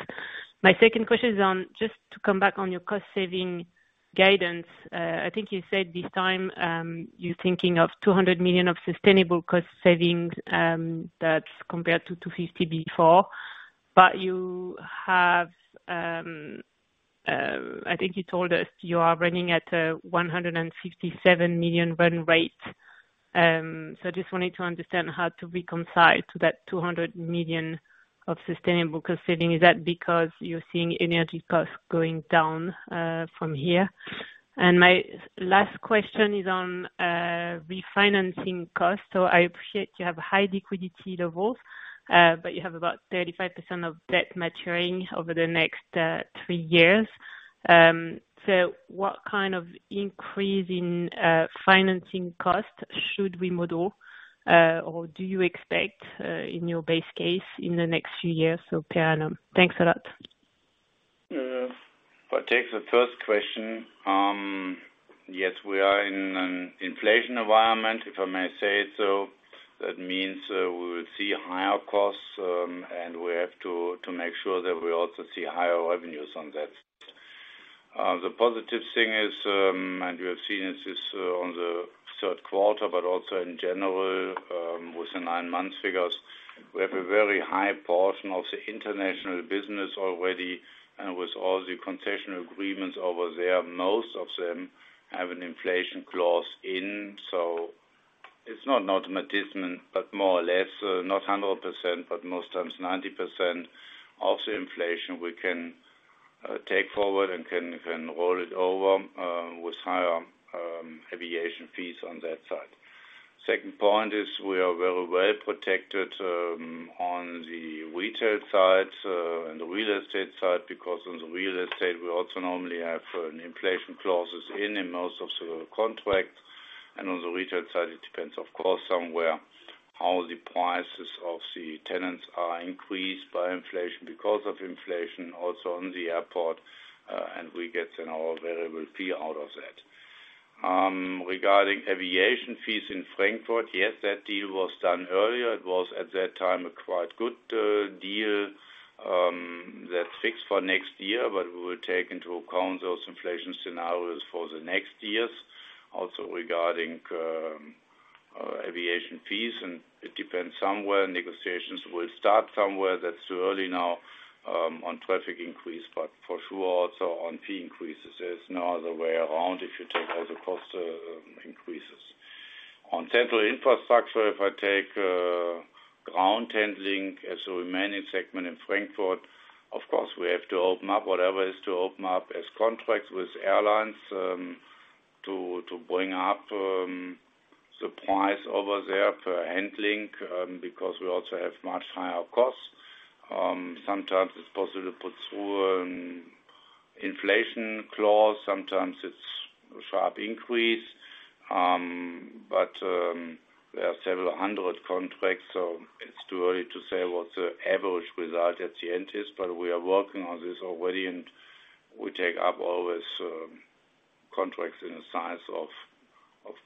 My second question is on just to come back on your cost saving guidance. I think you said this time, you're thinking of 200 million of sustainable cost savings, that's compared to 250 before. You have, I think you told us you are running at 167 million run rate. I just wanted to understand how to reconcile to that 200 million of sustainable cost saving. Is that because you're seeing energy costs going down from here? My last question is on refinancing costs. I appreciate you have high liquidity levels, but you have about 35% of debt maturing over the next three years. What kind of increase in financing costs should we model or do you expect in your base case in the next few years or per annum? Thanks a lot. If I take the first question, yes, we are in an inflation environment, if I may say it so. That means, we will see higher costs, and we have to make sure that we also see higher revenues on that. The positive thing is, and we have seen this, on the third quarter, but also in general, with the nine months figures, we have a very high portion of the international business already, and with all the concession agreements over there, most of them have an inflation clause in. It's not an automatism, but more or less, not 100%, but most times 90% of the inflation we can take forward and can roll it over, with higher aviation fees on that side. Second point is we are very well protected on the retail side and the real estate side, because on the real estate we also normally have an inflation clauses in most of the contracts. On the retail side, it depends, of course, somewhat how the prices of the tenants are increased by inflation because of inflation also at the airport, and we get a variable fee out of that. Regarding aviation fees in Frankfurt, yes, that deal was done earlier. It was at that time a quite good deal, that's fixed for next year, but we will take into account those inflation scenarios for the next years. Also regarding aviation fees, and it depends somewhere, negotiations will start somewhere that's too early now on traffic increase, but for sure also on fee increases. There's no other way around if you take all the cost increases. On central infrastructure, if I take ground handling as a remaining segment in Frankfurt, of course, we have to open up whatever is to open up as contracts with airlines, to bring up the price over there per handling, because we also have much higher costs. Sometimes it's possible to put through an inflation clause, sometimes it's a sharp increase. There are several hundred contracts, so it's too early to say what the average result at the end is. We are working on this already, and we take up always contracts in the size of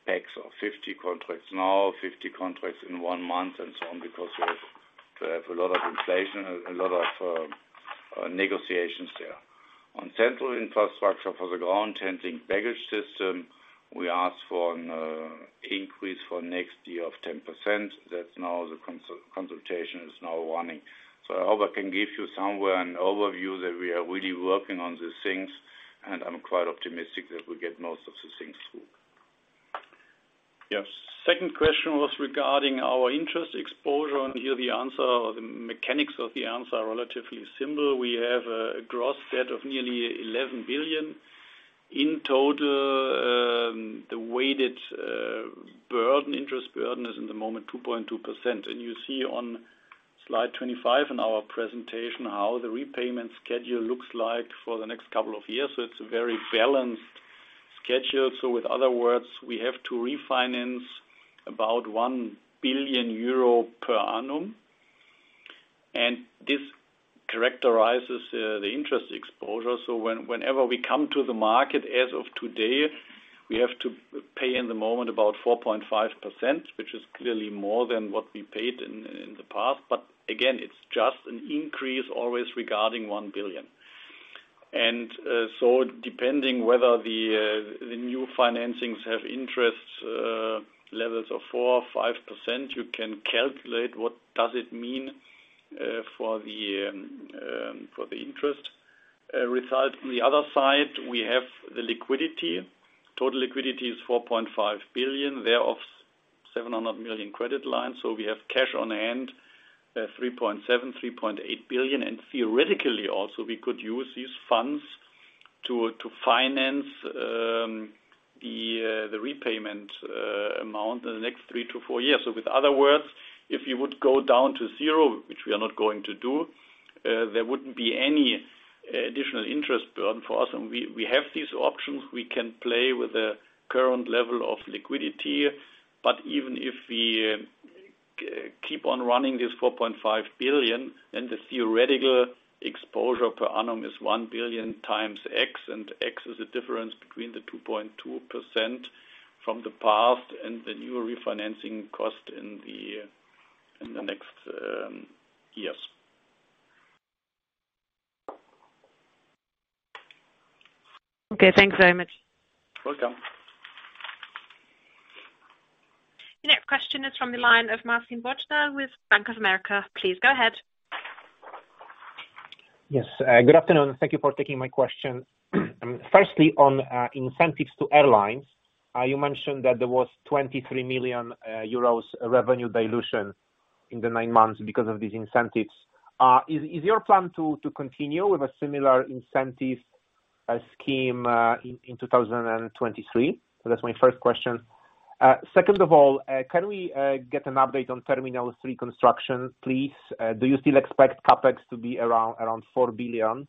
packs of 50 contracts now, 50 contracts in one month, and so on, because we have a lot of inflation, a lot of negotiations there. On central infrastructure for the ground handling baggage system, we asked for an increase for next year of 10%. That's now the consultation is now running. I hope I can give you somewhere an overview that we are really working on these things, and I'm quite optimistic that we'll get most of the things through. Yes. Second question was regarding our interest exposure, and here the answer or the mechanics of the answer are relatively simple. We have a gross debt of nearly 11 billion. In total, the weighted burden, interest burden is in the moment 2.2%. You see on slide 25 in our presentation how the repayment schedule looks like for the next couple of years. It's a very balanced schedule. With other words, we have to refinance about 1 billion euro per annum, and this characterizes the interest exposure. Whenever we come to the market as of today, we have to pay in the moment about 4.5%, which is clearly more than what we paid in the past. But again, it's just an increase always regarding 1 billion. Depending whether the new financings have interest levels of 4% or 5%, you can calculate what does it mean for the interest. Result on the other side, we have the liquidity. Total liquidity is 4.5 billion, thereof 700 million credit lines. We have cash on hand 3.7-3.8 billion, and theoretically also we could use these funds to finance the repayment amount in the next 3-4 years. In other words, if you would go down to zero, which we are not going to do. There wouldn't be any additional interest burden for us, and we have these options. We can play with the current level of liquidity. Even if we keep on running this 4.5 billion, then the theoretical exposure per annum is 1 billion times X, and X is the difference between the 2.2% from the past and the new refinancing cost in the next years. Okay, thanks very much. Welcome. The next question is from the line of Marcin Wojtal with Bank of America. Please go ahead. Yes, good afternoon. Thank you for taking my question. Firstly, on incentives to airlines, you mentioned that there was 23 million euros revenue dilution in the nine months because of these incentives. Is your plan to continue with a similar incentive scheme in 2023? That's my first question. Second of all, can we get an update on Terminal 3 construction, please? Do you still expect CapEx to be around 4 billion?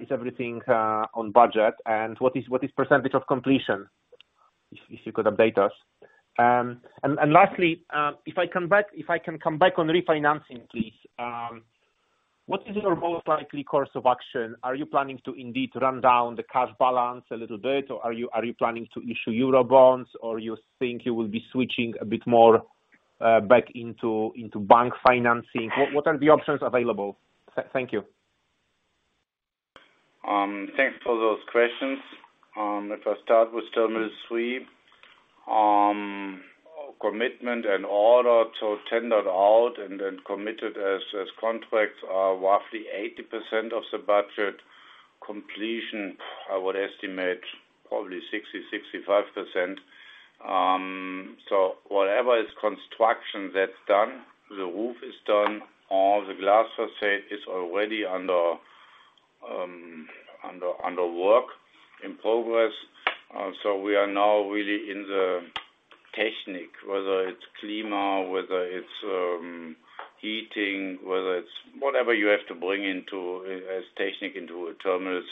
Is everything on budget? What is percentage of completion, if you could update us? Lastly, if I can come back on refinancing, please. What is your most likely course of action? Are you planning to indeed run down the cash balance a little bit, or are you planning to issue Eurobonds, or you think you will be switching a bit more back into bank financing? What are the options available? Thank you. Thanks for those questions. If I start with Terminal 3, commitments and orders to tender out and then committed as contracts are roughly 80% of the budget. Completion, I would estimate probably 60-65%. Whatever construction that's done, the roof is done. All the glass facade is already under work in progress. We are now really in the technical, whether it's climate, whether it's heating, whether it's whatever you have to bring in as technical into a terminal.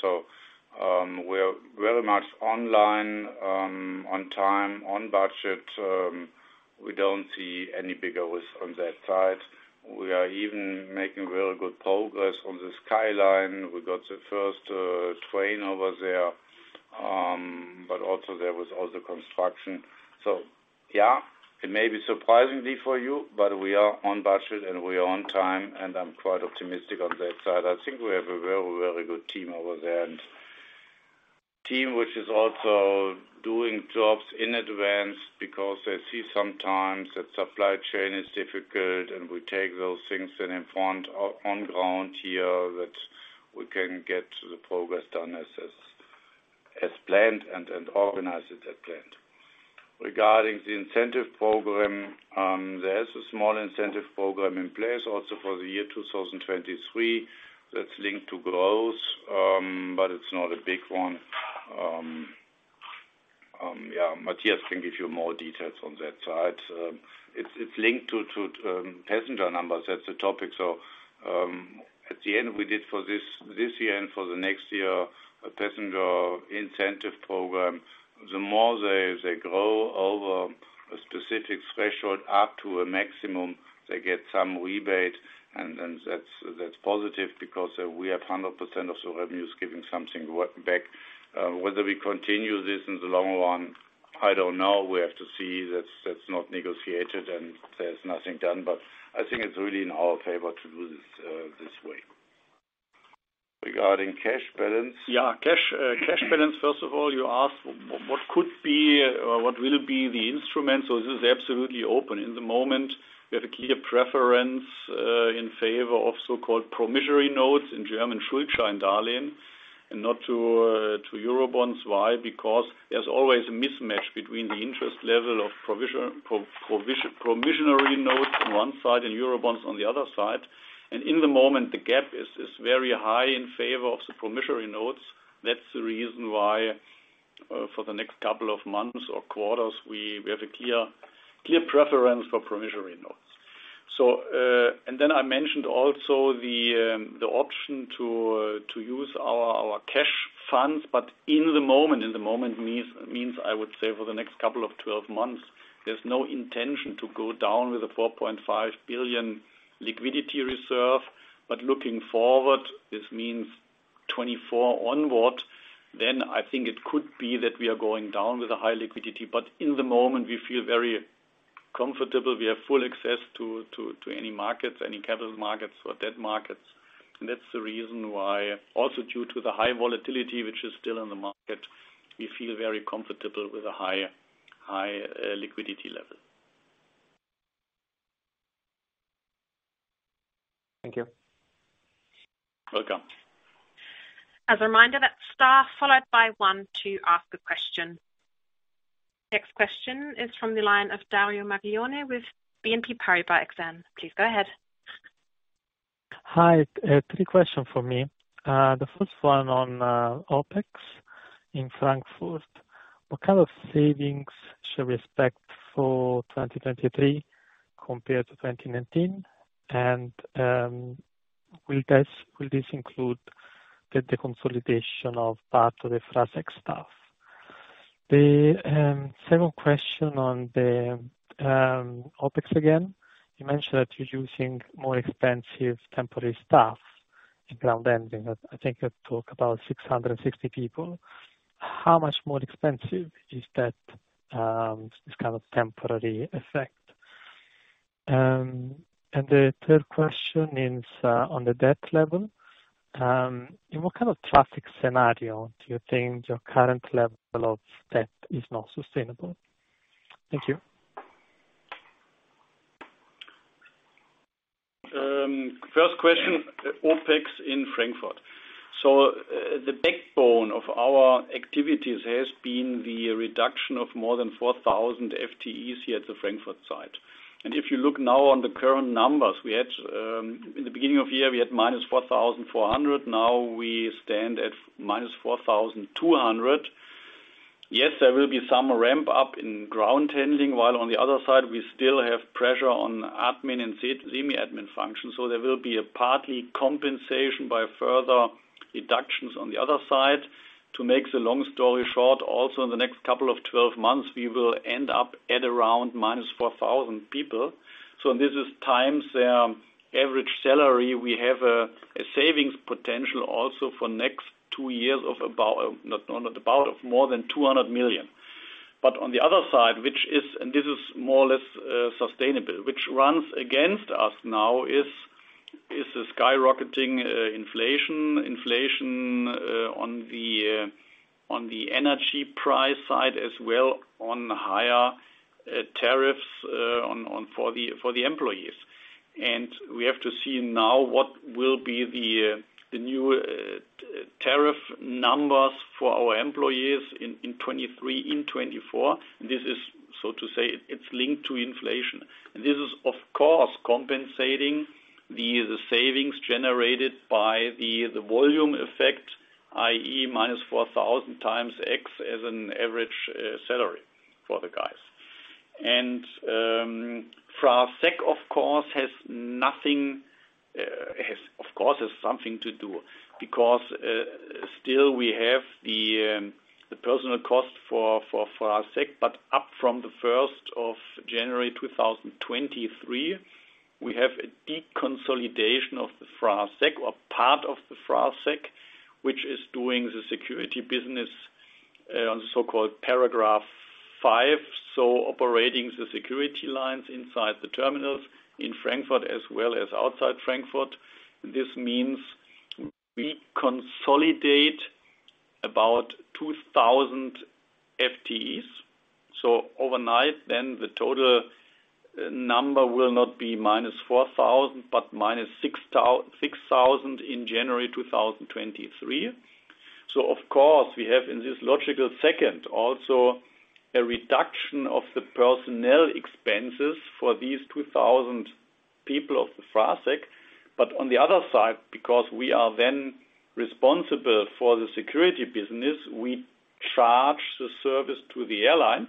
We're very much online, on time, on budget. We don't see any big risk on that side. We are even making very good progress on the Sky Line. We got the first train over there, but also there was other construction. Yeah, it may be surprisingly for you, but we are on budget and we are on time, and I'm quite optimistic on that side. I think we have a very, very good team over there, and team which is also doing jobs in advance because they see sometimes that supply chain is difficult and we take those things and informed on ground here that we can get the progress done as planned and organized as planned. Regarding the incentive program, there is a small incentive program in place also for the year 2023 that's linked to growth, but it's not a big one. Yeah, Matthias can give you more details on that side. It's linked to passenger numbers. That's the topic. At the end, we did for this year and for the next year, a passenger incentive program. The more they grow over a specific threshold up to a maximum, they get some rebate, and then that's positive because we have 100% of the revenues giving something back. Whether we continue this in the long run, I don't know. We have to see. That's not negotiated, and there's nothing done. I think it's really in our favor to do this this way. Regarding cash balance. Cash balance, first of all, you asked what could be or what will be the instrument. This is absolutely open. In the moment, we have a clear preference in favor of so-called promissory notes, in German and not to Eurobonds. Why? Because there's always a mismatch between the interest level of promissory notes on one side and Eurobonds on the other side. In the moment, the gap is very high in favor of the promissory notes. That's the reason why, for the next couple of months or quarters, we have a clear preference for promissory notes. And then I mentioned also the option to use our cash funds. In the moment means, I would say for the next couple of 12 months, there's no intention to go down with the 4.5 billion liquidity reserve. Looking forward, this means 2024 onward, then I think it could be that we are going down with a high liquidity. In the moment, we feel very comfortable. We have full access to any markets, any capital markets or debt markets. That's the reason why, also due to the high volatility, which is still in the market, we feel very comfortable with a high liquidity level. Thank you. Welcome. As a reminder, that's star followed by one to ask a question. Next question is from the line of Dario Maglione with BNP Paribas Exane. Please go ahead. Hi. Three questions from me. The first one on OpEx. In Frankfurt, what kind of savings should we expect for 2023 compared to 2019? Will this include the consolidation of part of the FraSec staff? The second question on the OpEx again, you mentioned that you're using more expensive temporary staff in ground handling. I think you talked about 660 people. How much more expensive is that, this kind of temporary effect? The third question is on the debt level. In what kind of traffic scenario do you think your current level of debt is not sustainable? Thank you. First question, OpEx in Frankfurt. The backbone of our activities has been the reduction of more than 4,000 FTEs here at the Frankfurt site. If you look now on the current numbers, we had, in the beginning of the year, we had minus 4,400. Now we stand at minus 4,200. Yes, there will be some ramp up in ground handling, while on the other side, we still have pressure on admin and semi-admin functions. There will be a partial compensation by further reductions on the other side. To make the long story short, also in the next twelve months, we will end up at around minus 4,000 people. This is times their average salary. We have a savings potential also for next two years of more than 200 million. On the other side, and this is more or less sustainable, which runs against us now is the skyrocketing inflation on the energy price side, as well as higher tariffs for the employees. We have to see now what will be the new tariff numbers for our employees in 2023, in 2024. This is so to say it's linked to inflation. This is, of course, compensating the savings generated by the volume effect, i.e. minus 4,000 times X as an average salary for the guys. FraSec, of course, has something to do because still we have the personnel cost for FraSec. Up from the first of January 2023, we have a deconsolidation of FraSec or part of FraSec, which is doing the security business on the so-called §5 LuftSiG, operating the security lines inside the terminals in Frankfurt as well as outside Frankfurt. This means we consolidate about 2,000 FTEs. Overnight then the total number will not be -4,000, but -6,000 in January 2023. Of course, we have in this logical second also a reduction of the personnel expenses for these 2,000 people of FraSec. On the other side, because we are then responsible for the security business, we charge the service to the airlines,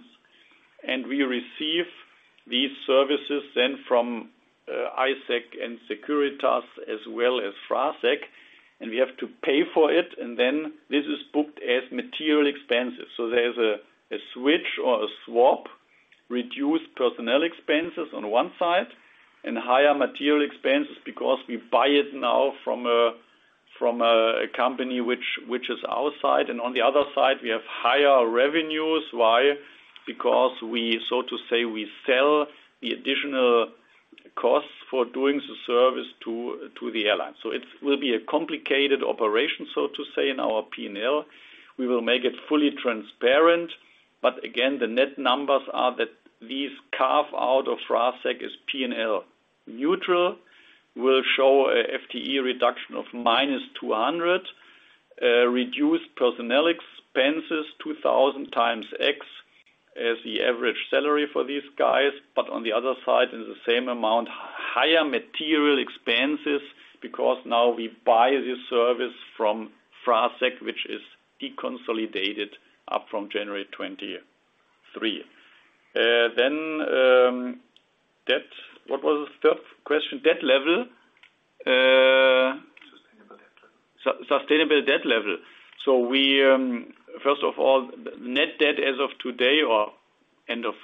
and we receive these services then from I-SEC and Securitas as well as FraSec, and we have to pay for it. Then this is booked as material expenses. There's a switch or a swap, reduced personnel expenses on one side and higher material expenses because we buy it now from a company which is our side. On the other side, we have higher revenues. Why? Because we, so to say, we sell the additional costs for doing the service to the airline. It will be a complicated operation, so to say, in our P&L. We will make it fully transparent. Again, the net numbers are that these carve out of FraSec is P&L neutral, will show a FTE reduction of -200, reduced personnel expenses 2,000 times X as the average salary for these guys. On the other side, in the same amount, higher material expenses because now we buy this service from FraSec, which is deconsolidated up from January 2023. Debt. What was the third question? Debt level? Sustainable debt level. Sustainable debt level. We, first of all, net debt as of today or end of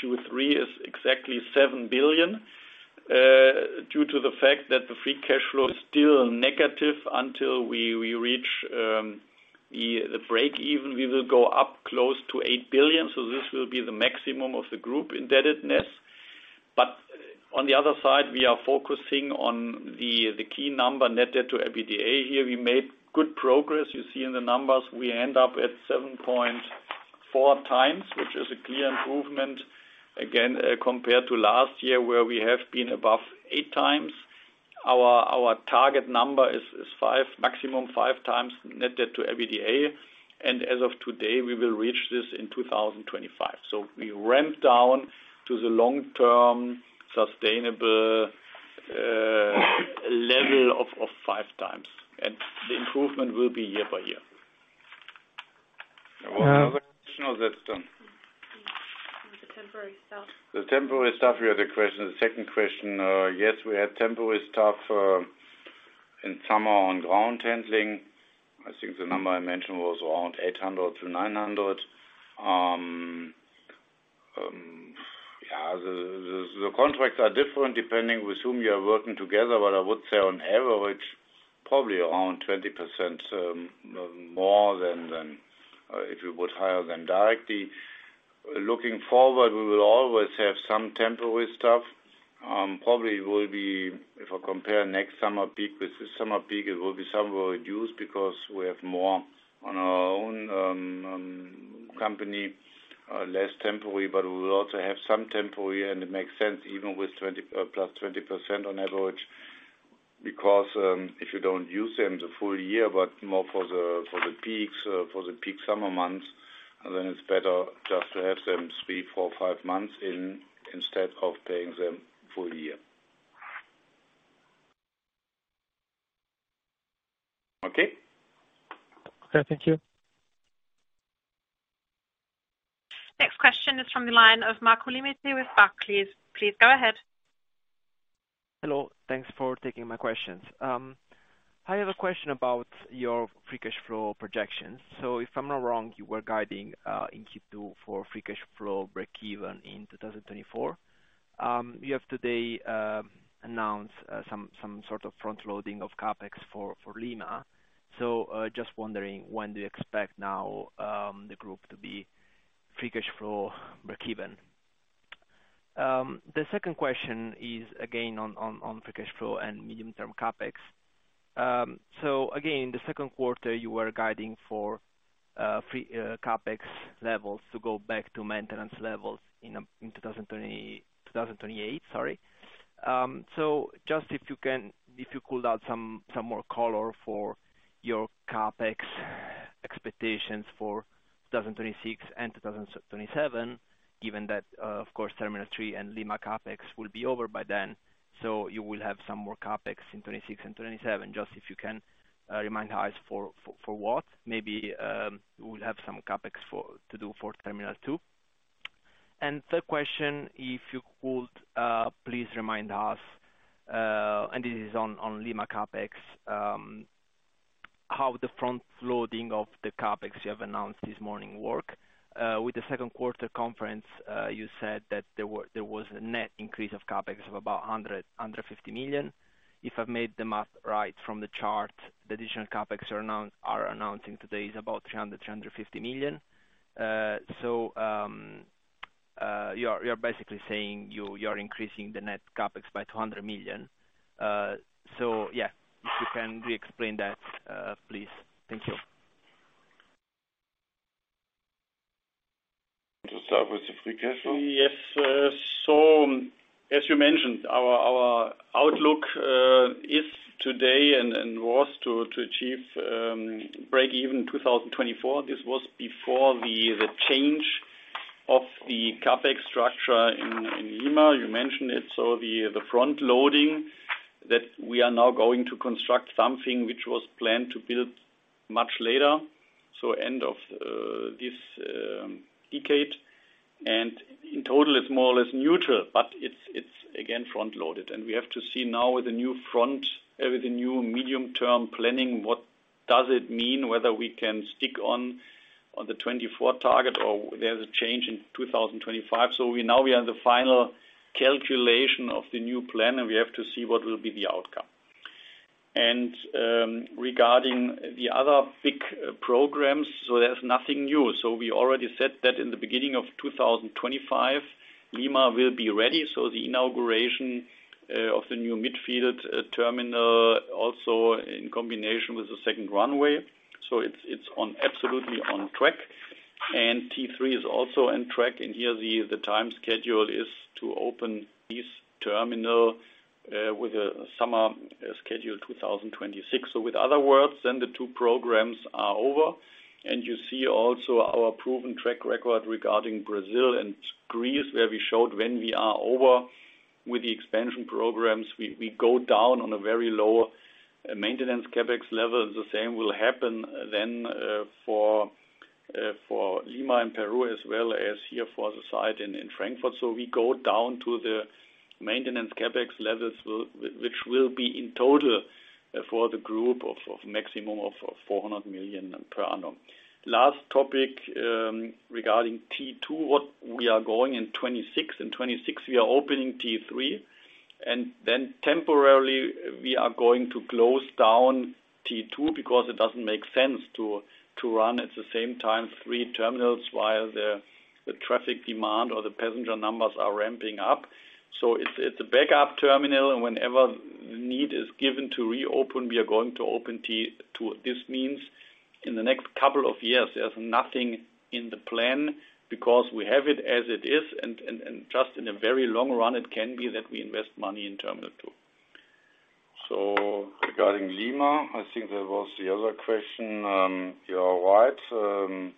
Q3 is exactly 7 billion. Due to the fact that the free cash flow is still negative until we reach the break even, we will go up close to 8 billion. This will be the maximum of the group indebtedness. But on the other side, we are focusing on the key number net debt to EBITDA. Here we made good progress. You see in the numbers, we end up at 7.4 times, which is a clear improvement again, compared to last year, where we have been above 8 times. Our target number is 5, maximum 5 times net debt to EBITDA. As of today, we will reach this in 2025. We ramp down to the long-term sustainable level of 5x, and the improvement will be year by year. Well, another question or that's done? The temporary staff. The temporary staff, you had a question, the second question. Yes, we had temporary staff in summer on ground handling. I think the number I mentioned was around 800-900. The contracts are different depending with whom you are working together. I would say on average, probably around 20% more than if it was hired directly. Looking forward, we will always have some temporary staff. Probably will be, if I compare next summer peak with this summer peak, it will be somewhat reduced because we have more on our own company, less temporary, but we will also have some temporary, and it makes sense even with 20 plus 20% on average. Because if you don't use them the full year, but more for the peaks, for the peak summer months, then it's better just to have them three, four, five months in instead of paying them full year. Okay? Okay. Thank you. Next question is from the line of Marco Limite with Barclays. Please go ahead. Hello. Thanks for taking my questions. I have a question about your free cash flow projections. If I'm not wrong, you were guiding in Q2 for free cash flow breakeven in 2024. You have today announced some sort of frontloading of CapEx for Lima. Just wondering when do you expect now the group to be free cash flow breakeven? The second question is again on free cash flow and medium-term CapEx. Again, the second quarter, you were guiding for CapEx levels to go back to maintenance levels in 2028, sorry. Just if you can, if you could add some more color for your CapEx expectations for 2026 and 2027, given that, of course, Terminal 3 and Lima CapEx will be over by then. You will have some more CapEx in 2026 and 2027, just if you can remind us for what. Maybe we'll have some CapEx to do for Terminal 2. Third question, if you could please remind us, and this is on Lima CapEx, how the frontloading of the CapEx you have announced this morning work. With the second quarter conference, you said that there was a net increase of CapEx of about 150 million. If I've made the math right from the chart, the additional CapEx you're announcing today is about 350 million. You're basically saying you're increasing the net CapEx by EUR 200 million. If you can re-explain that, please. Thank you. To start with the free cash flow? Yes. As you mentioned, our outlook is today and was to achieve breakeven in 2024. This was before the change of the CapEx structure in Lima. You mentioned it. The frontloading that we are now going to construct something which was planned to build much later, so end of this decade. In total, it's more or less neutral, but it's again frontloaded. We have to see now with the new medium-term planning, what does it mean, whether we can stick on the 2024 target or there's a change in 2025. We now have the final calculation of the new plan, and we have to see what will be the outcome. Regarding the other big programs, there's nothing new. We already said that in the beginning of 2025, Lima will be ready. The inauguration of the new midfield terminal also in combination with the second runway. It's absolutely on track. T3 is also on track, and here the time schedule is to open this terminal with a summer schedule 2026. In other words, then the two programs are over. You see also our proven track record regarding Brazil and Greece, where we showed when we are over with the expansion programs, we go down on a very low maintenance CapEx level. The same will happen then for Lima and Peru as well as here for the site in Frankfurt. We go down to the maintenance CapEx levels which will be in total for the group a maximum of 400 million per annum. Last topic regarding T2, what we are going in 2026. In 2026, we are opening T3 and then temporarily we are going to close down T2 because it doesn't make sense to run at the same time three terminals while the traffic demand or the passenger numbers are ramping up. It's a backup terminal, and whenever need is given to reopen, we are going to open T2. This means in the next couple of years, there's nothing in the plan because we have it as it is and just in a very long run, it can be that we invest money in Terminal 2. Regarding Lima, I think that was the other question. You are right,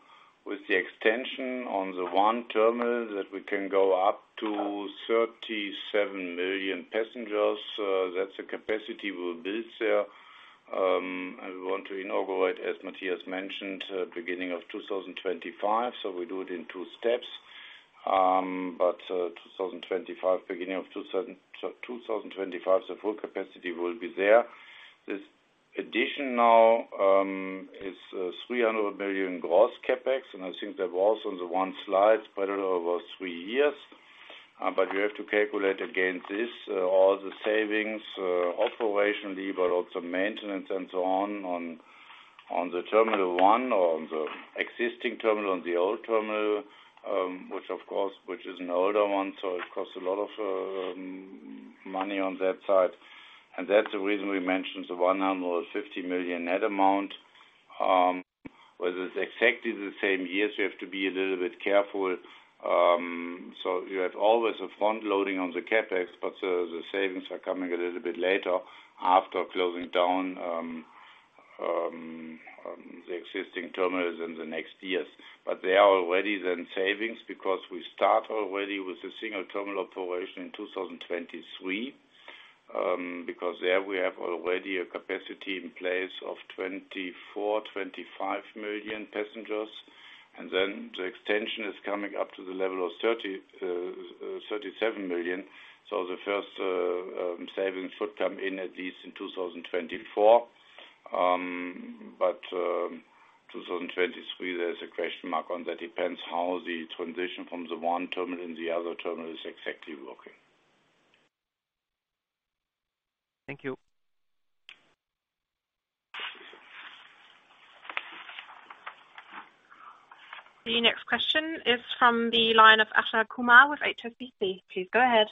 with the extension on the one terminal that we can go up to 37 million passengers, that's the capacity we'll build there. We want to inaugurate, as Matthias mentioned, beginning of 2025, so we do it in two steps. Beginning of 2025, the full capacity will be there. This additional is 300 million gross CapEx, and I think that was on the one slide spread over three years. We have to calculate against this all the savings, operationally, but also maintenance and so on the terminal one or on the existing terminal, on the old terminal, which of course is an older one, so it costs a lot of money on that side. That's the reason we mentioned the 150 million net amount. Whether it's exactly the same years, we have to be a little bit careful. You have always a front loading on the CapEx, but the savings are coming a little bit later after closing down the existing terminals in the next years. They are already then savings because we start already with a single terminal operation in 2023, because there we have already a capacity in place of 24-25 million passengers. Then the extension is coming up to the level of 37 million. The first savings should come in at least in 2024. 2023, there's a question mark on that. Depends how the transition from the one terminal and the other terminal is exactly working. Thank you. The next question is from the line of Ashna Kumar with HSBC. Please go ahead.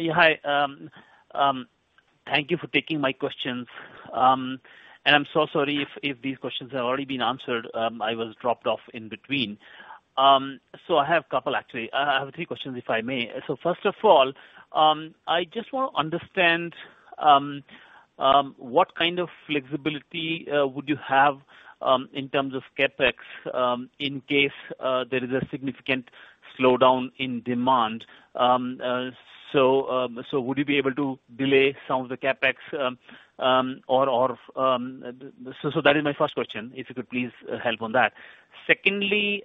Yeah, hi. Thank you for taking my questions. I'm so sorry if these questions have already been answered. I was dropped off in between. I have a couple actually. I have three questions, if I may. I just want to understand what kind of flexibility would you have in terms of CapEx in case there is a significant slowdown in demand. Would you be able to delay some of the CapEx or. That is my first question, if you could please help on that. Secondly,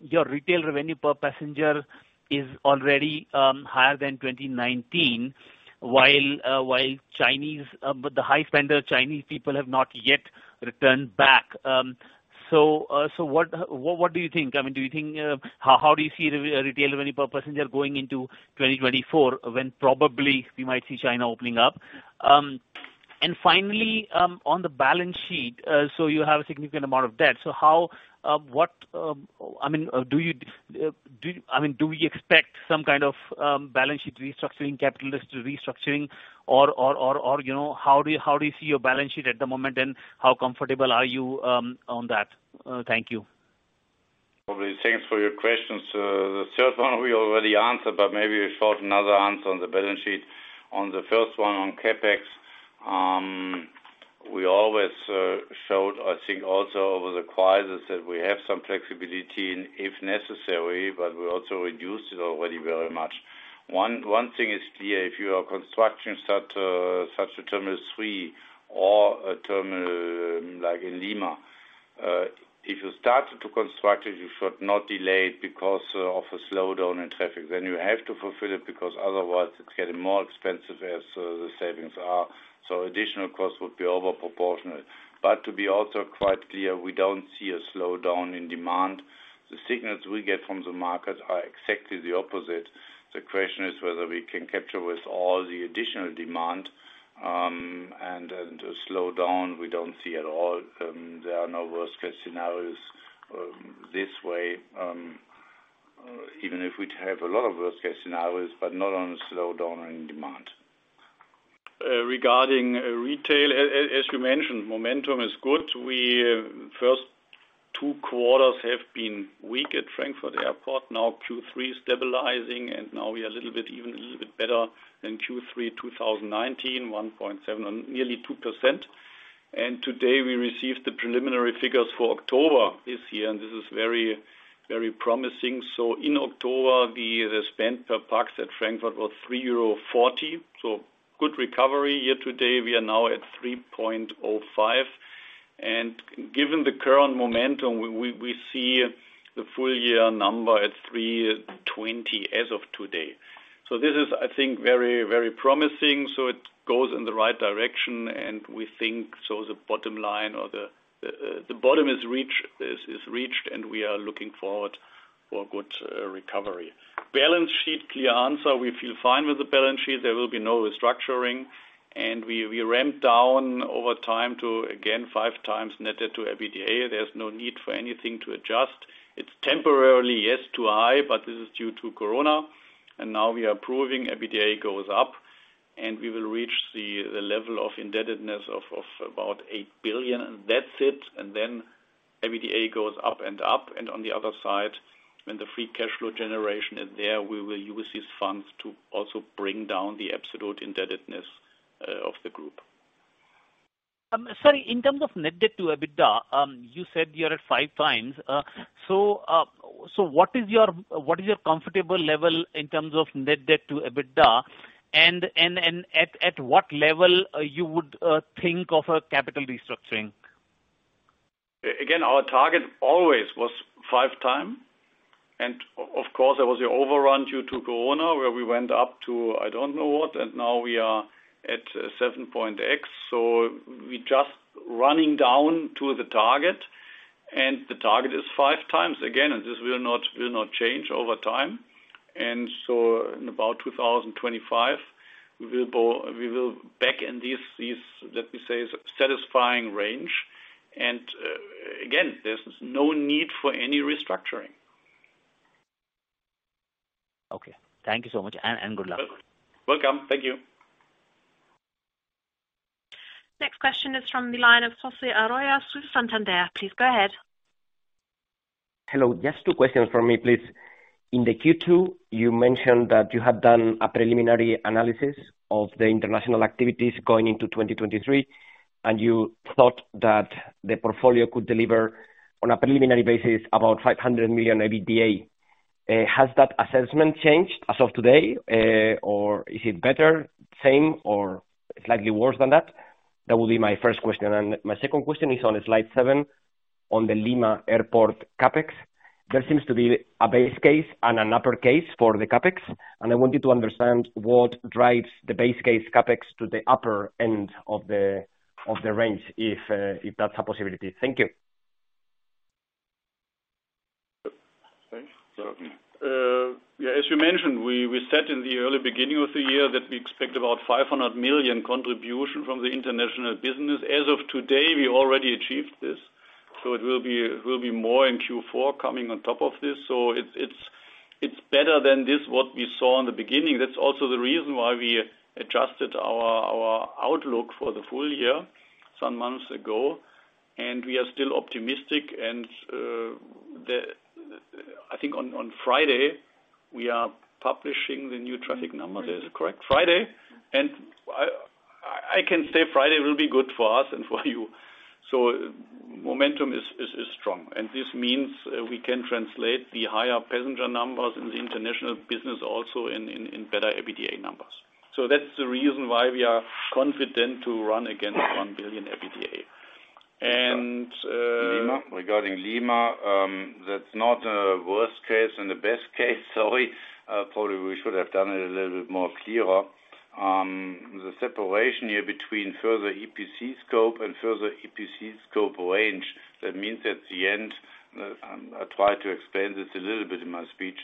your retail revenue per passenger is already higher than 2019 while Chinese, but the high spender Chinese people have not yet returned back. What do you think? I mean, how do you see retail revenue per passenger going into 2024 when probably we might see China opening up? Finally, on the balance sheet, you have a significant amount of debt. I mean, do we expect some kind of balance sheet restructuring, capital structure restructuring or, you know, how do you see your balance sheet at the moment, and how comfortable are you on that? Thank you. Probably. Thanks for your questions. The third one we already answered, but maybe a short another answer on the balance sheet. On the first one on CapEx, we always showed, I think also over the quarters, that we have some flexibility and if necessary, but we also reduced it already very much. One thing is clear, if you are constructing such a terminal 3 or a terminal like in Lima, if you start to construct it, you should not delay it because of a slowdown in traffic, then you have to fulfill it because otherwise it's getting more expensive as the savings are. Additional costs would be over proportionate. To be also quite clear, we don't see a slowdown in demand. The signals we get from the market are exactly the opposite. The question is whether we can capture with all the additional demand, and a slowdown we don't see at all. There are no worst-case scenarios, this way, even if we'd have a lot of worst-case scenarios, but not on a slowdown in demand. Regarding retail, as you mentioned, momentum is good. The first two quarters have been weak at Frankfurt Airport. Now Q3 stabilizing, now we are a little bit even a little bit better than Q3 2019, 1.7 nearly 2%. Today we received the preliminary figures for October this year, and this is very, very promising. In October, the spend per pax at Frankfurt was 3.40 euro. Good recovery year to date. We are now at 3.05. Given the current momentum, we see the full year number at 3.20 as of today. This is, I think, very, very promising. It goes in the right direction and we think, so the bottom line or the bottom is reached, and we are looking forward for good recovery. Balance sheet, clear answer. We feel fine with the balance sheet. There will be no restructuring. We ramped down over time to, again, 5x net debt to EBITDA. There's no need for anything to adjust. It's temporarily, yes, too high, but this is due to Corona. Now we are proving EBITDA goes up and we will reach the level of indebtedness of about 8 billion. That's it. Then EBITDA goes up and up. On the other side, when the free cash flow generation is there, we will use these funds to also bring down the absolute indebtedness of the group. Sorry, in terms of net debt to EBITDA, you said you're at 5x. What is your comfortable level in terms of net debt to EBITDA? At what level would you think of a capital restructuring? Again, our target always was 5x. Of course, there was the overrun due to Corona, where we went up to I don't know what, and now we are at 7.x, so we just running down to the target, and the target is 5x. Again, this will not change over time. In about 2025, we will go back in this, let me say, satisfying range. Again, there's no need for any restructuring. Okay, thank you so much and good luck. Welcome. Thank you. Next question is from the line of José Arroyas, Santander. Please go ahead. Hello. Just two questions from me, please. In the Q2, you mentioned that you have done a preliminary analysis of the international activities going into 2023, and you thought that the portfolio could deliver on a preliminary basis about 500 million EBITDA. Has that assessment changed as of today, or is it better, same, or slightly worse than that? That will be my first question. My second question is on slide 7 on the Lima Airport CapEx. There seems to be a base case and an upside case for the CapEx, and I want you to understand what drives the base case CapEx to the upper end of the range, if that's a possibility. Thank you. Thanks. Yeah, as you mentioned, we said in the early beginning of the year that we expect about 500 million contribution from the international business. As of today, we already achieved this, it will be more in Q4 coming on top of this. It's better than this what we saw in the beginning. That's also the reason why we adjusted our outlook for the full year some months ago, and we are still optimistic and I think on Friday we are publishing the new traffic number. Is that correct? Friday. I can say Friday will be good for us and for you. Momentum is strong, and this means we can translate the higher passenger numbers in the international business also in better EBITDA numbers. That's the reason why we are confident to run against 1 billion EBITDA. Lima, regarding Lima, that's not a worst case and a best case. Sorry, probably we should have done it a little bit more clearer. The separation here between further EPC scope and further EPC scope range, that means at the end, I tried to explain this a little bit in my speech.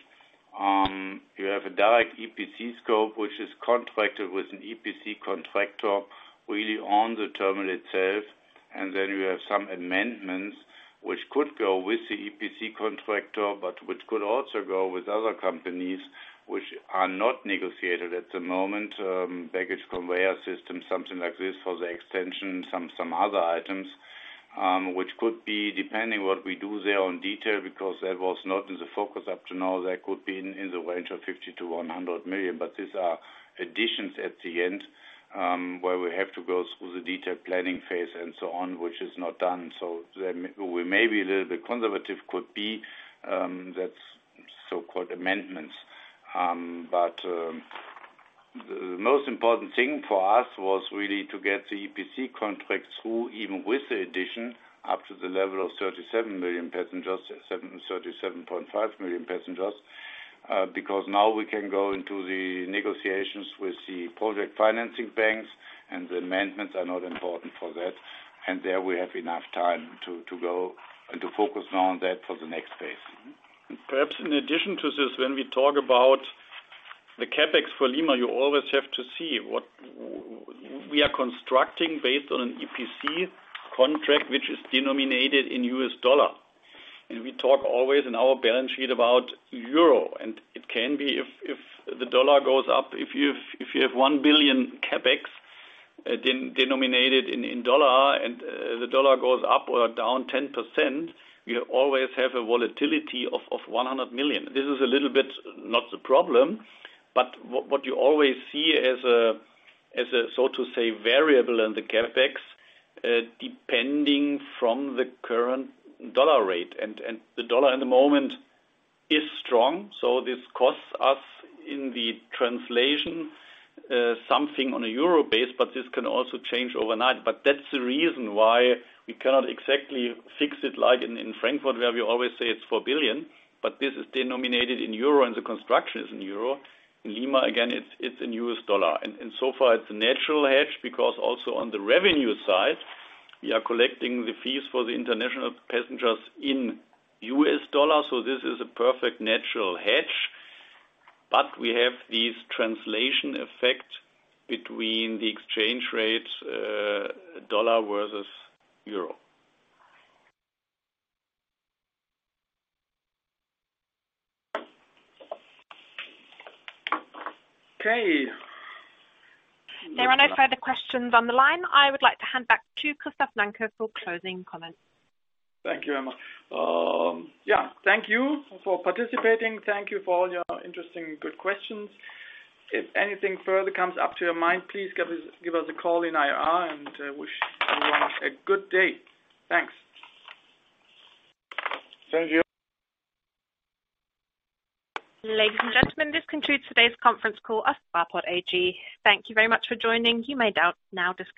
You have a direct EPC scope, which is contracted with an EPC contractor really on the terminal itself. Then you have some amendments which could go with the EPC contractor, but which could also go with other companies which are not negotiated at the moment. Baggage conveyor system, something like this for the extension, some other items, which could be depending what we do there on detail, because that was not in the focus up to now. That could be in the range of 50-100 million. These are additions at the end, where we have to go through the detailed planning phase and so on, which is not done. We may be a little bit conservative. Could be, that's so-called amendments. The most important thing for us was really to get the EPC contract through, even with the addition up to the level of 37 million passengers, 737.5 million passengers. Because now we can go into the negotiations with the project financing banks and the amendments are not important for that. There we have enough time to go and to focus now on that for the next phase. Perhaps in addition to this, when we talk about the CapEx for Lima, you always have to see what we are constructing based on an EPC contract, which is denominated in U.S. dollar. We talk always in our balance sheet about euro. It can be if the dollar goes up, if you have $1 billion CapEx, denominated in dollar and the dollar goes up or down 10%, you always have a volatility of $100 million. This is a little bit not the problem, but what you always see as a so to say variable in the CapEx, depending on the current dollar rate. The dollar at the moment is strong, so this costs us in the translation, something on a euro basis, but this can also change overnight. That's the reason why we cannot exactly fix it like in Frankfurt, where we always say it's 4 billion, but this is denominated in euro and the construction is in euro. In Lima again it's in U.S. dollar. So far it's a natural hedge because also on the revenue side, we are collecting the fees for the international passengers in U.S. dollars, so this is a perfect natural hedge. We have this translation effect between the exchange rates, dollar versus euro. Okay. There are no further questions on the line. I would like to hand back to Christoph Nanke for closing comments. Thank you, Emma. Yeah, thank you for participating. Thank you for all your interesting good questions. If anything further comes up to your mind, please give us a call in IR and wish everyone a good day. Thanks. Thank you. Ladies and gentlemen, this concludes today's conference call of Fraport AG. Thank you very much for joining. You may now disconnect.